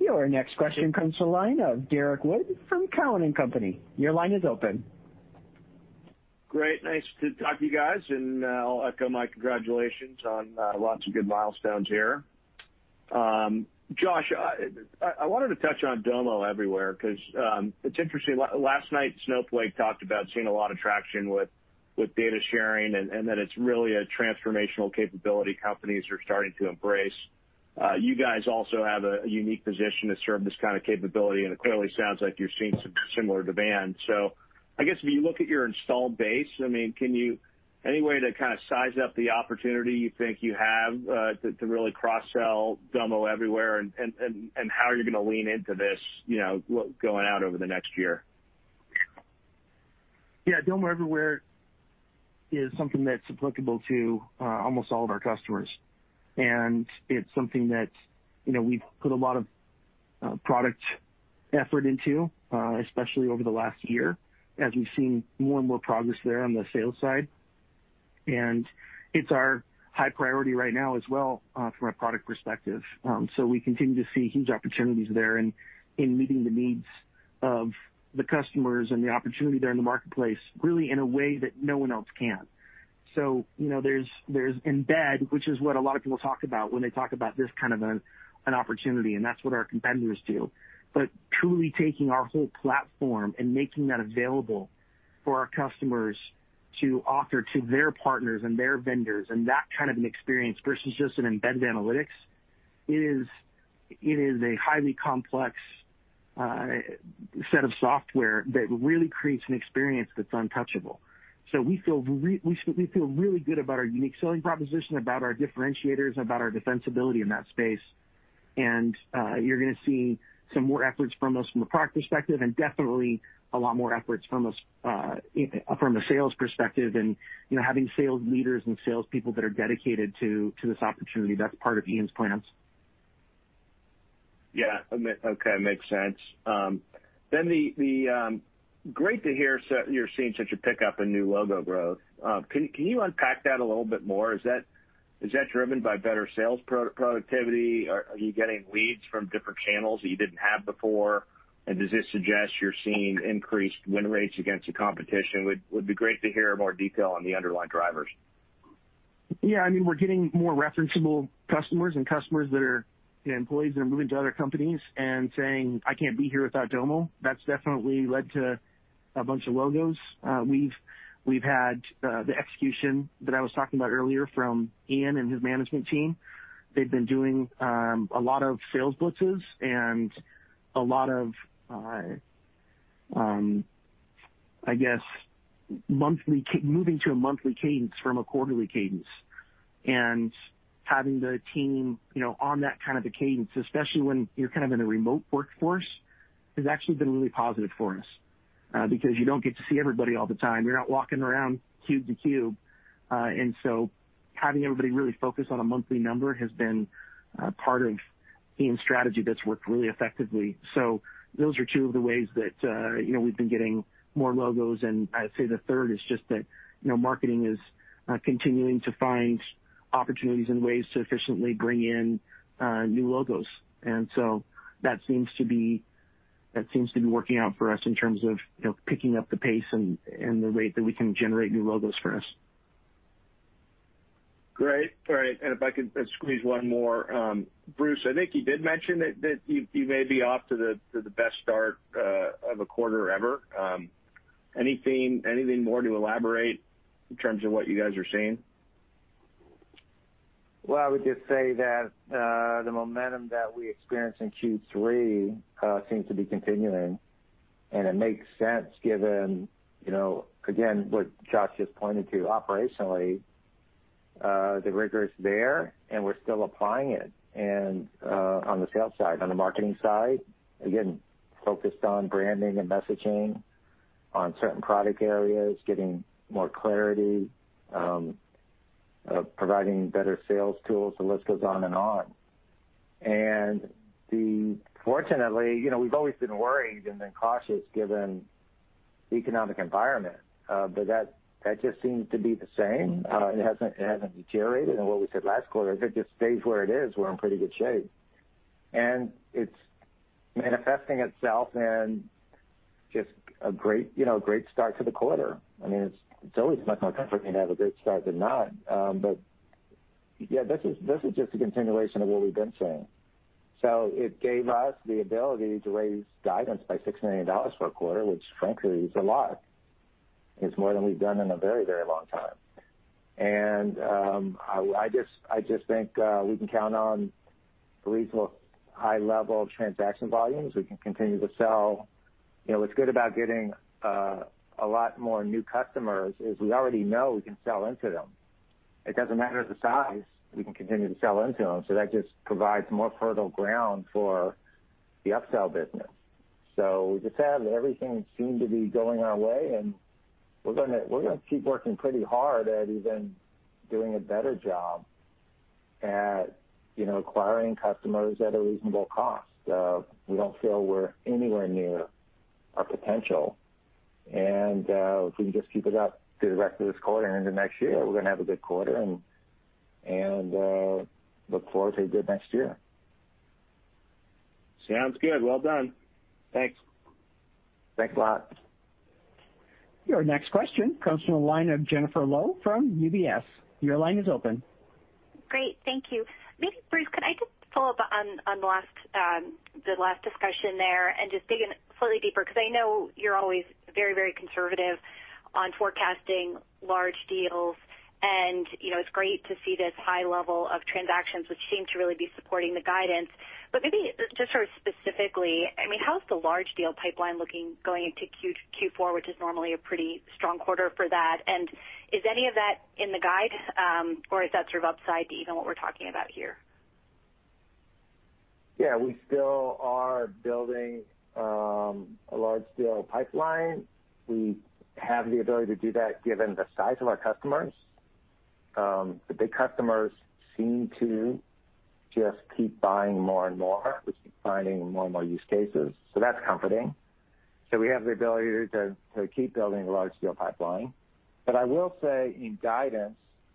Your next question comes from the line of Derrick Wood from Cowen and Company. Your line is open. Great. Nice to talk to you guys, and I'll echo my congratulations on lots of good milestones here. Josh, I wanted to touch on Domo Everywhere, because it's interesting. Last night, Snowflake talked about seeing a lot of traction with data sharing, and that it's really a transformational capability companies are starting to embrace. You guys also have a unique position to serve this kind of capability, and it clearly sounds like you're seeing some similar demand. I guess, when you look at your installed base, any way to kind of size up the opportunity you think you have to really cross-sell Domo Everywhere and how you're going to lean into this going out over the next year? Yeah. Domo Everywhere is something that's applicable to almost all of our customers. It's something that we've put a lot of product effort into, especially over the last year, as we've seen more and more progress there on the sales side. It's our high priority right now as well from a product perspective. We continue to see huge opportunities there in meeting the needs of the customers and the opportunity there in the marketplace, really in a way that no one else can. There's embed, which is what a lot of people talk about when they talk about this kind of an opportunity, and that's what our competitors do. Truly taking our whole platform and making that available for our customers to offer to their partners and their vendors, and that kind of an experience versus just an embedded analytics, it is a highly complex set of software that really creates an experience that's untouchable. We feel really good about our unique selling proposition, about our differentiators, about our defensibility in that space. You're going to see some more efforts from us from a product perspective, and definitely a lot more efforts from a sales perspective and having sales leaders and salespeople that are dedicated to this opportunity. That's part of Ian's plans. Yeah. Okay. Makes sense. Great to hear you're seeing such a pickup in new logo growth. Can you unpack that a little bit more? Is that driven by better sales productivity? Are you getting leads from different channels that you didn't have before? Does this suggest you're seeing increased win rates against the competition? Would be great to hear more detail on the underlying drivers. Yeah. We're getting more referenceable customers and customers that are employees that are moving to other companies and saying, "I can't be here without Domo." That's definitely led to a bunch of logos. We've had the execution that I was talking about earlier from Ian and his management team. They've been doing a lot of sales blitzes and a lot of, I guess, moving to a monthly cadence from a quarterly cadence. Having the team on that kind of a cadence, especially when you're in a remote workforce, has actually been really positive for us, because you don't get to see everybody all the time. You're not walking around cube to cube. Having everybody really focused on a monthly number has been part of Ian's strategy that's worked really effectively. Those are two of the ways that we've been getting more logos. I'd say the third is just that marketing is continuing to find opportunities and ways to efficiently bring in new logos. That seems to be working out for us in terms of picking up the pace and the rate that we can generate new logos for us. Great. All right. If I could squeeze one more. Bruce, I think you did mention that you may be off to the best start of a quarter ever. Anything more to elaborate in terms of what you guys are seeing? Well, I would just say that the momentum that we experienced in Q3 seems to be continuing, and it makes sense given, again, what Josh just pointed to operationally. The rigor is there, and we're still applying it on the sales side. On the marketing side, again, focused on branding and messaging on certain product areas, getting more clarity, providing better sales tools. The list goes on and on. Fortunately, we've always been worried and then cautious given the economic environment. That just seems to be the same. It hasn't deteriorated than what we said last quarter. If it just stays where it is, we're in pretty good shape. It's manifesting itself in just a great start to the quarter. It's always much more comforting to have a good start than not. Yeah, this is just a continuation of what we've been seeing. It gave us the ability to raise guidance by $6 million for a quarter, which frankly, is a lot. It's more than we've done in a very long time. I just think we can count on reasonable high level transaction volumes. We can continue to sell. What's good about getting a lot more new customers is we already know we can sell into them. It doesn't matter the size. We can continue to sell into them. That just provides more fertile ground for the upsell business. We just have everything seem to be going our way, and we're going to keep working pretty hard at even doing a better job at acquiring customers at a reasonable cost. We don't feel we're anywhere near our potential. If we can just keep it up through the rest of this quarter into next year, we're going to have a good quarter and look forward to a good next year. Sounds good. Well done. Thanks. Thanks a lot. Your next question comes from the line of Jennifer Lowe from UBS. Your line is open. Great. Thank you. Maybe, Bruce, could I just follow-up on the last discussion there and just dig in slightly deeper, because I know you're always very conservative on forecasting large deals, and it's great to see this high level of transactions which seem to really be supporting the guidance. Maybe just sort of specifically, how's the large deal pipeline looking going into Q4, which is normally a pretty strong quarter for that? Is any of that in the guide, or is that sort of upside to even what we're talking about here? Yeah. We still are building a large deal pipeline. We have the ability to do that given the size of our customers. The big customers seem to just keep buying more and more. We keep finding more and more use cases, so that's comforting. We have the ability to keep building a large deal pipeline. I will say, in guidance,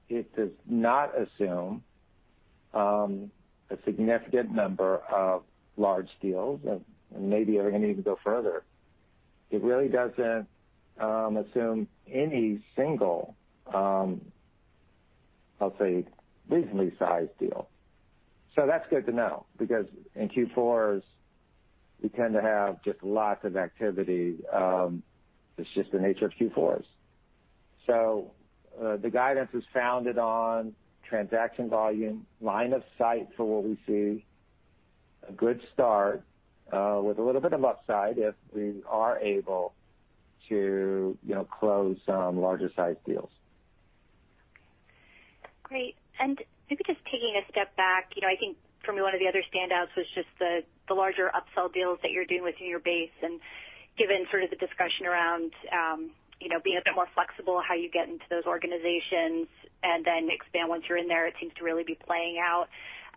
it does not assume a significant number of large deals. Maybe I'm even going to go further. It really doesn't assume any single, I'll say, reasonably sized deal. That's good to know, because in Q4s, we tend to have just lots of activity. It's just the nature of Q4s. The guidance is founded on transaction volume, line of sight for what we see, a good start, with a little bit of upside if we are able to close some larger-sized deals. Great. Maybe just taking a step back, I think for me, one of the other standouts was just the larger upsell deals that you're doing within your base, given sort of the discussion around being a bit more flexible, how you get into those organizations and then expand once you're in there, it seems to really be playing out.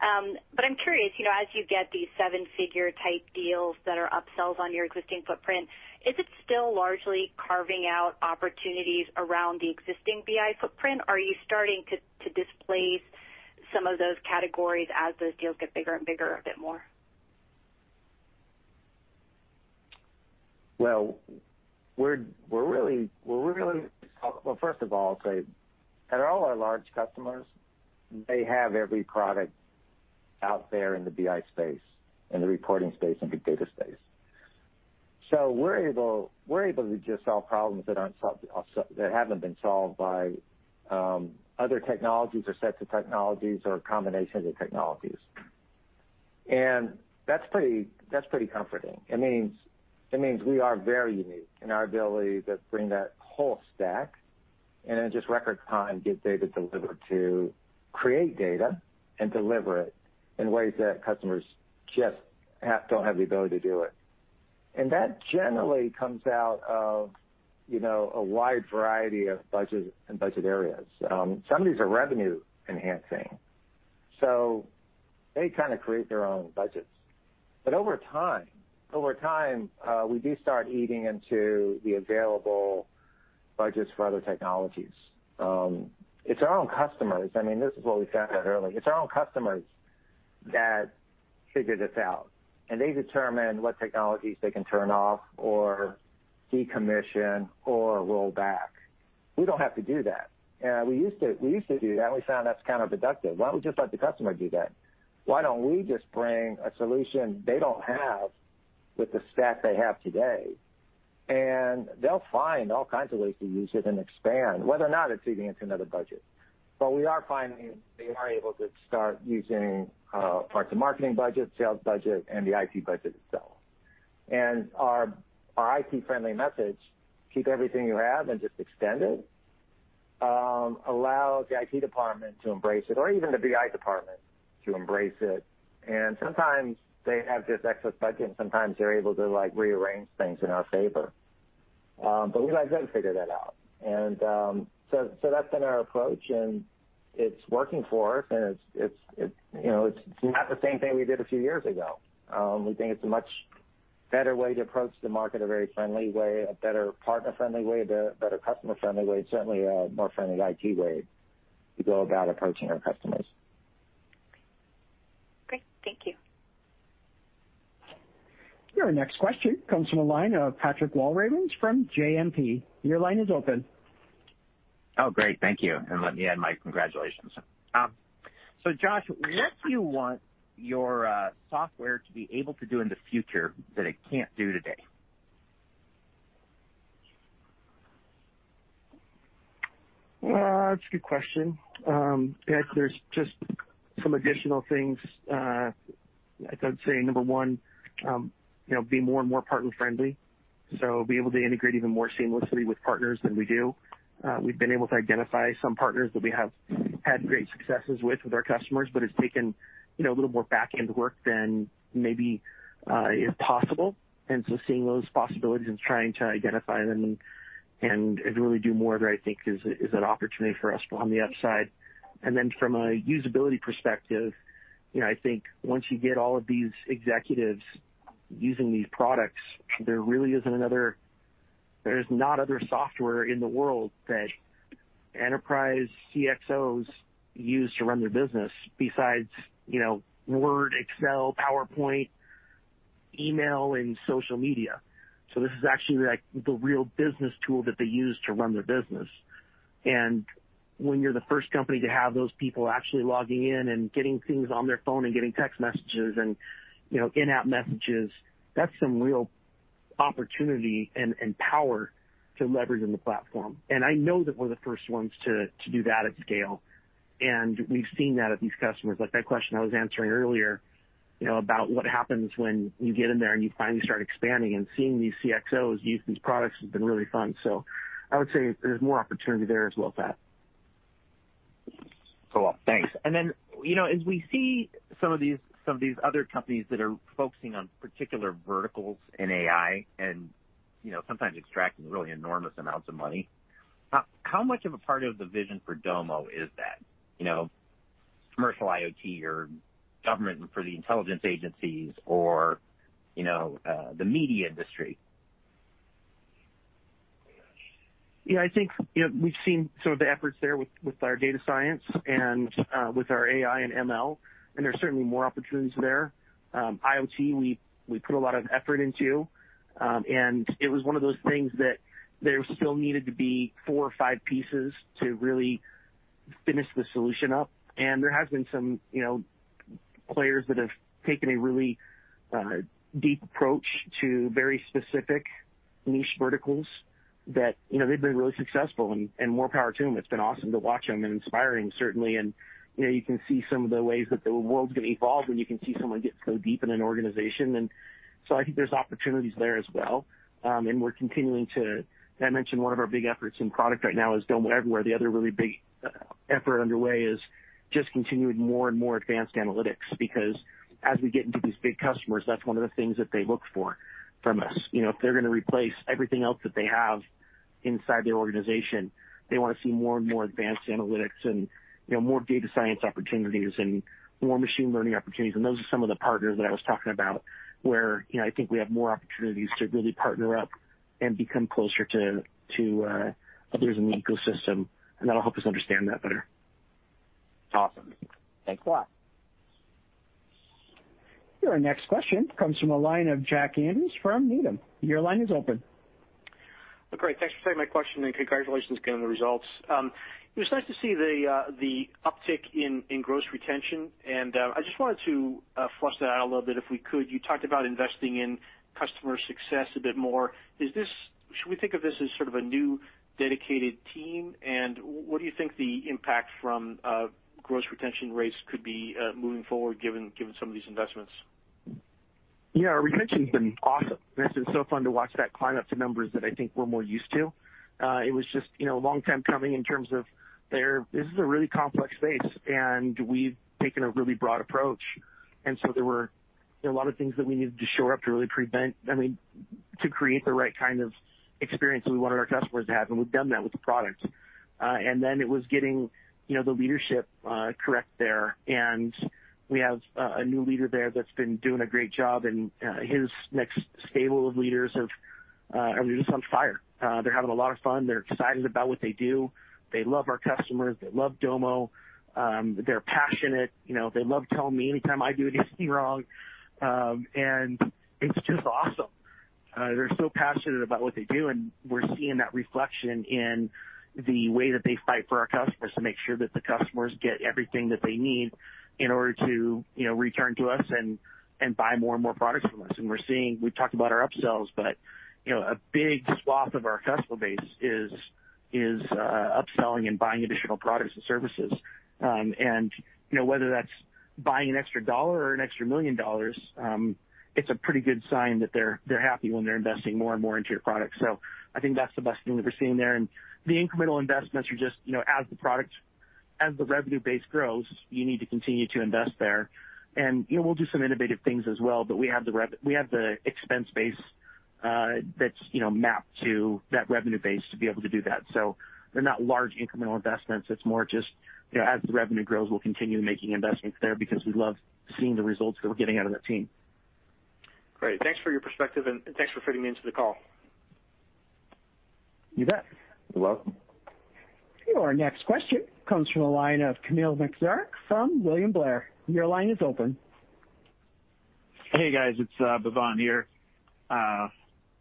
I'm curious, as you get these seven-figure type deals that are upsells on your existing footprint, is it still largely carving out opportunities around the existing BI footprint, or are you starting to displace some of those categories as those deals get bigger and bigger a bit more? First of all, I'll say that all our large customers, they have every product out there in the BI space and the reporting space and the data space. We're able to just solve problems that haven't been solved by other technologies or sets of technologies or combinations of technologies. That's pretty comforting. It means we are very unique in our ability to bring that whole stack and in just record time, get data delivered, to create data and deliver it in ways that customers just don't have the ability to do it. That generally comes out of a wide variety of budget areas. Some of these are revenue-enhancing, so they kind of create their own budgets. Over time we do start eating into the available budgets for other technologies. It's our own customers, this is what we said earlier, it's our own customers that figure this out, and they determine what technologies they can turn off or decommission or roll back. We don't have to do that. We used to do that, and we found that's kind of deductive. Why don't we just let the customer do that? Why don't we just bring a solution they don't have with the stack they have today? They'll find all kinds of ways to use it and expand, whether or not it's eating into another budget. We are finding they are able to start using parts of marketing budget, sales budget, and the IT budget itself. Our IT-friendly message, "Keep everything you have and just extend it," allows the IT department to embrace it, or even the BI department to embrace it. Sometimes they have this excess budget, and sometimes they're able to rearrange things in our favor. We let them figure that out. That's been our approach, and it's working for us, and it's not the same thing we did a few years ago. We think it's a much better way to approach the market, a very friendly way, a better partner-friendly way, the better customer-friendly way, certainly a more friendly IT way to go about approaching our customers. Great. Thank you. Your next question comes from a line of Patrick Walravens from JMP. Your line is open. Oh, great. Thank you. Let me add my congratulations. Josh, what do you want your software to be able to do in the future that it can't do today? That's a good question. Pat, there's just some additional things. I'd say number one, be more and more partner-friendly, so be able to integrate even more seamlessly with partners than we do. We've been able to identify some partners that we have had great successes with our customers, but it's taken a little more back-end work than maybe is possible. Seeing those possibilities and trying to identify them and to really do more there, I think, is an opportunity for us on the upside. From a usability perspective, I think once you get all of these executives using these products, there's not other software in the world that enterprise CXOs use to run their business besides Word, Excel, PowerPoint, email, and social media. This is actually the real business tool that they use to run their business. When you're the first company to have those people actually logging in and getting things on their phone and getting text messages and in-app messages, that's some real opportunity and power to leverage in the platform. I know that we're the first ones to do that at scale. We've seen that at these customers. Like that question I was answering earlier, about what happens when you get in there and you finally start expanding and seeing these CXOs use these products has been really fun. I would say there's more opportunity there as well, Pat. Cool. Thanks. As we see some of these other companies that are focusing on particular verticals in AI and sometimes extracting really enormous amounts of money, how much of a part of the vision for Domo is that, commercial IoT or government for the intelligence agencies or the media industry? Yeah, I think we've seen some of the efforts there with our data science and with our AI and ML, and there's certainly more opportunities there. IoT, we put a lot of effort into. It was one of those things that there still needed to be four or five pieces to really finish the solution up. There have been some players that have taken a really deep approach to very specific niche verticals that they've been really successful, and more power to them. It's been awesome to watch them and inspiring, certainly. You can see some of the ways that the world's going to evolve when you can see someone get so deep in an organization. I think there's opportunities there as well, and we're continuing to I mentioned one of our big efforts in product right now is Domo Everywhere. The other really big effort underway is just continuing more and more advanced analytics, because as we get into these big customers, that's one of the things that they look for from us. If they're going to replace everything else that they have inside their organization, they want to see more and more advanced analytics and more data science opportunities and more machine learning opportunities. Those are some of the partners that I was talking about, where I think we have more opportunities to really partner up and become closer to others in the ecosystem, and that'll help us understand that better. Awesome. Thanks a lot. Your next question comes from the line of Jack Andrews from Needham. Your line is open. Great. Thanks for taking my question, congratulations again on the results. It was nice to see the uptick in gross retention, I just wanted to flush that out a little bit if we could. You talked about investing in customer success a bit more. Should we think of this as sort of a new dedicated team? What do you think the impact from gross retention rates could be moving forward, given some of these investments? Yeah, our retention's been awesome, and it's been so fun to watch that climb up to numbers that I think we're more used to. It was just a long time coming in terms of this is a really complex space, and we've taken a really broad approach. There were a lot of things that we needed to shore up to really create the right kind of experience that we wanted our customers to have, and we've done that with the product. Then it was getting the leadership correct there. We have a new leader there that's been doing a great job, and his next stable of leaders have I mean, they're just on fire. They're having a lot of fun. They're excited about what they do. They love our customers. They love Domo. They're passionate. They love telling me anytime I do anything wrong. It's just awesome. They're so passionate about what they do, and we're seeing that reflection in the way that they fight for our customers to make sure that the customers get everything that they need in order to return to us and buy more and more products from us. We're seeing, we talked about our upsells, but a big swath of our customer base is upselling and buying additional products and services. Whether that's buying an extra $1 or an extra $1 million, it's a pretty good sign that they're happy when they're investing more and more into your product. I think that's the best thing that we're seeing there. The incremental investments are just as the revenue base grows, you need to continue to invest there. We'll do some innovative things as well, but we have the expense base that's mapped to that revenue base to be able to do that. They're not large incremental investments. It's more just as the revenue grows, we'll continue making investments there because we love seeing the results that we're getting out of that team. Great. Thanks for your perspective, and thanks for fitting me into the call. You bet. You're welcome. Our next question comes from the line of Kamil Mielczarek from William Blair. Your line is open. Hey, guys, it's Bhavan here.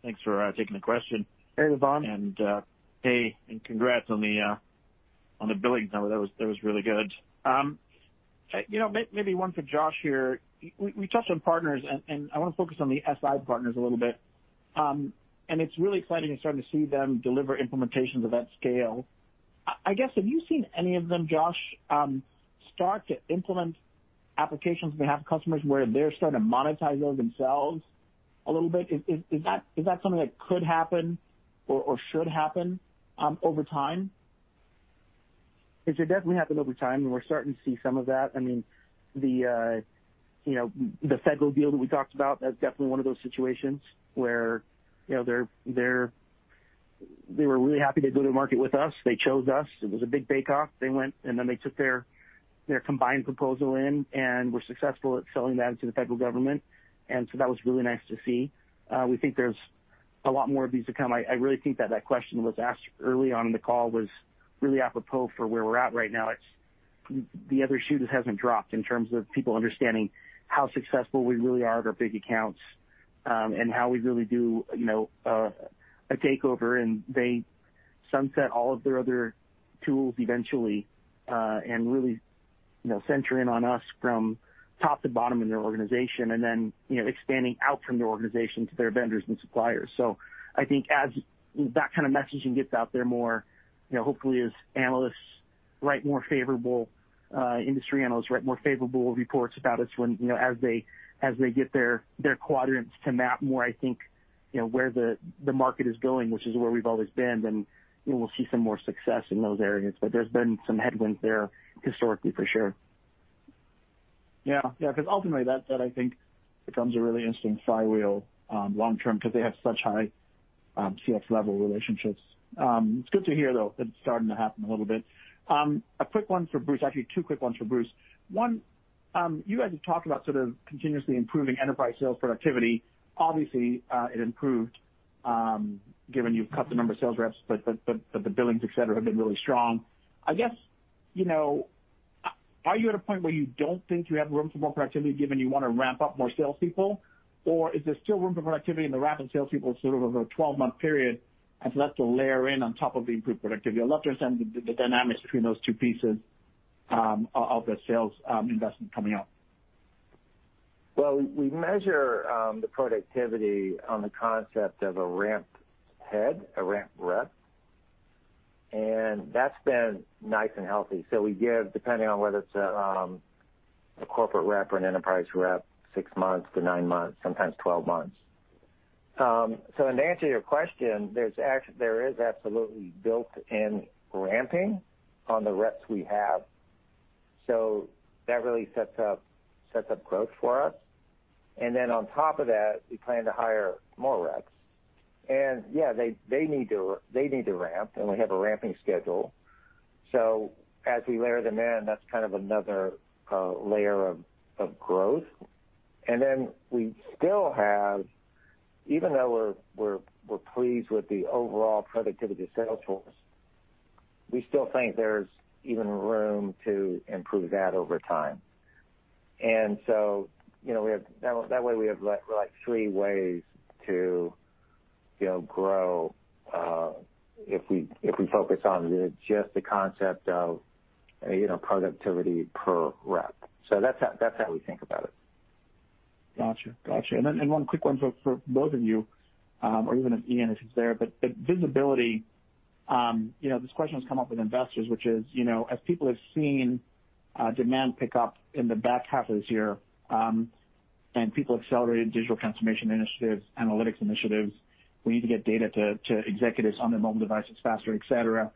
Thanks for taking the question. Hey, Bhavan. Hey, and congrats on the billings number. That was really good. Maybe one for Josh here. We touched on partners, and I want to focus on the SI partners a little bit. It's really exciting and starting to see them deliver implementations of that scale. I guess, have you seen any of them, Josh, start to implement applications? They have customers where they're starting to monetize those themselves a little bit. Is that something that could happen or should happen over time? It should definitely happen over time, and we're starting to see some of that. The FedGov deal that we talked about, that's definitely one of those situations where they were really happy to go-to-market with us. They chose us. It was a big bake-off. They went, and then they took their combined proposal in and were successful at selling that to the federal government, and so that was really nice to see. We think there's a lot more of these to come. I really think that question that was asked early on in the call was really apropos for where we're at right now. The other shoe just hasn't dropped in terms of people understanding how successful we really are at our big accounts, and how we really do a takeover, and they sunset all of their other tools eventually, and really center in on us from top to bottom in their organization, and then expanding out from their organization to their vendors and suppliers. I think as that kind of messaging gets out there more, hopefully industry analysts write more favorable reports about us as they get their quadrants to map more, I think, where the market is going, which is where we've always been, then we'll see some more success in those areas. There's been some headwinds there historically, for sure. Yeah. Ultimately, that I think becomes a really interesting flywheel long-term because they have such high CX-level relationships. It's good to hear, though, that it's starting to happen a little bit. A quick one for Bruce, actually two quick ones for Bruce. One, you guys have talked about continuously improving enterprise sales productivity. Obviously, it improved, given you've cut the number of sales reps, but the billings, et cetera, have been really strong. Are you at a point where you don't think you have room for more productivity given you want to ramp-up more salespeople? Is there still room for productivity in the ramp of salespeople sort of over a 12-month period as left to layer in on top of the improved productivity? I'd love to understand the dynamics between those two pieces of the sales investment coming up. We measure the productivity on the concept of a ramped head, a ramped rep, and that's been nice and healthy. We give, depending on whether it's a corporate rep or an enterprise rep, six months to nine months, sometimes 12 months. To answer your question, there is absolutely built-in ramping on the reps we have. That really sets up growth for us. On top of that, we plan to hire more reps. Yeah, they need to ramp, and we have a ramping schedule. As we layer them in, that's kind of another layer of growth. Then we still have, even though we're pleased with the overall productivity of the sales force, we still think there's even room to improve that over time. That way we have three ways to grow, if we focus on just the concept of productivity per rep. That's how we think about it. Got you. One quick one for both of you, or even Ian if he's there. Visibility, this question has come up with investors, which is, as people have seen demand pick up in the back half of this year, and people accelerated digital transformation initiatives, analytics initiatives, we need to get data to executives on their mobile devices faster, et cetera.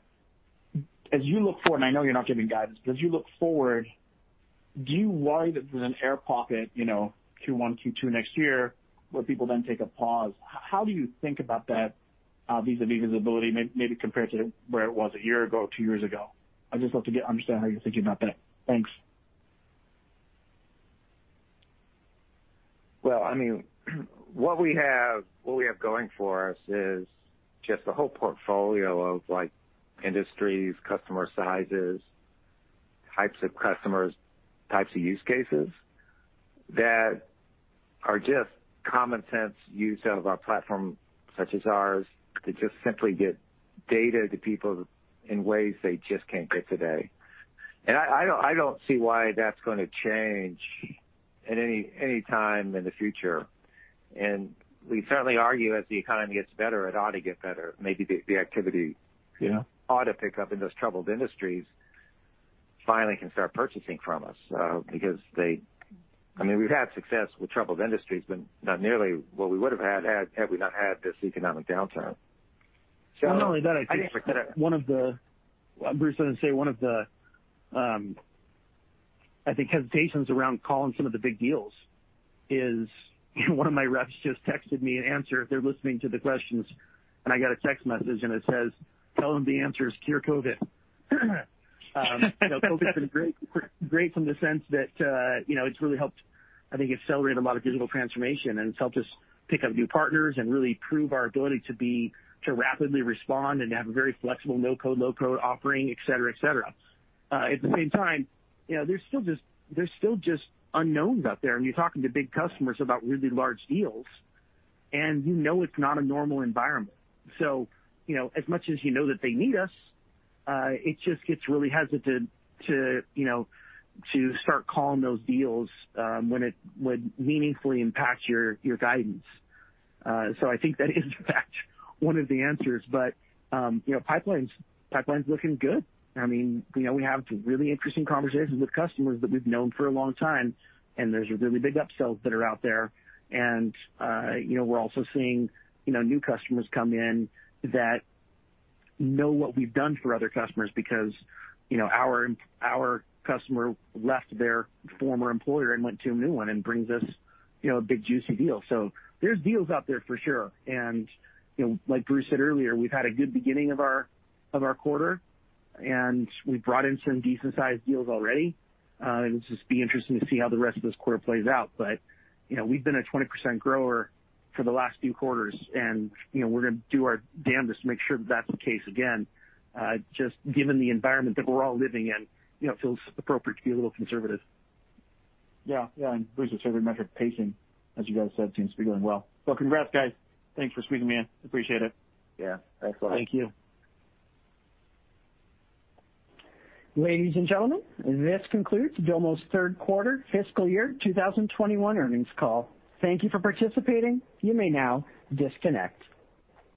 As you look forward, I know you're not giving guidance, but as you look forward, do you worry that there's an air pocket Q1, Q2 next year where people then take a pause? How do you think about that vis-a-vis visibility maybe compared to where it was a year ago, two years ago? I'd just love to understand how you're thinking about that. Thanks. Well, what we have going for us is just the whole portfolio of industries, customer sizes, types of customers, types of use cases that are just common sense use of a platform such as ours to just simply get data to people in ways they just can't get today. I don't see why that's going to change at any time in the future. We certainly argue as the economy gets better, it ought to get better. Maybe the activity ought to pick up, and those troubled industries finally can start purchasing from us. We've had success with troubled industries, but not nearly what we would have had we not had this economic downturn. Not only that. I just like that. Bruce was going to say one of the, I think, hesitations around calling some of the big deals is one of my reps just texted me an answer if they're listening to the questions, and I got a text message, and it says, "Tell him the answer is cure COVID." COVID's been great from the sense that it's really helped, I think, accelerate a lot of digital transformation, and it's helped us pick up new partners and really prove our ability to rapidly respond and have a very flexible no-code, low-code offering, et cetera. At the same time, there's still just unknowns out there. You're talking to big customers about really large deals, and you know it's not a normal environment. As much as you know that they need us, it just gets really hesitant to start calling those deals when it would meaningfully impact your guidance. I think that is, in fact, one of the answers, but pipeline's looking good. We have really interesting conversations with customers that we've known for a long time, and there's really big upsells that are out there. We're also seeing new customers come in that know what we've done for other customers because our customer left their former employer and went to a new one and brings us a big, juicy deal. There's deals out there for sure. Like Bruce said earlier, we've had a good beginning of our quarter, and we've brought in some decent-sized deals already. It'll just be interesting to see how the rest of this quarter plays out. We've been a 20% grower for the last few quarters, and we're going to do our damnedest to make sure that that's the case again. Just given the environment that we're all living in, it feels appropriate to be a little conservative. Yeah. Bruce, it's every metric pacing, as you guys said, seems to be going well. Congrats, guys. Thanks for squeezing me in. Appreciate it. Yeah. Excellent. Thank you. Ladies and gentlemen, this concludes Domo's third quarter fiscal year 2021 earnings call. Thank you for participating. You may now disconnect.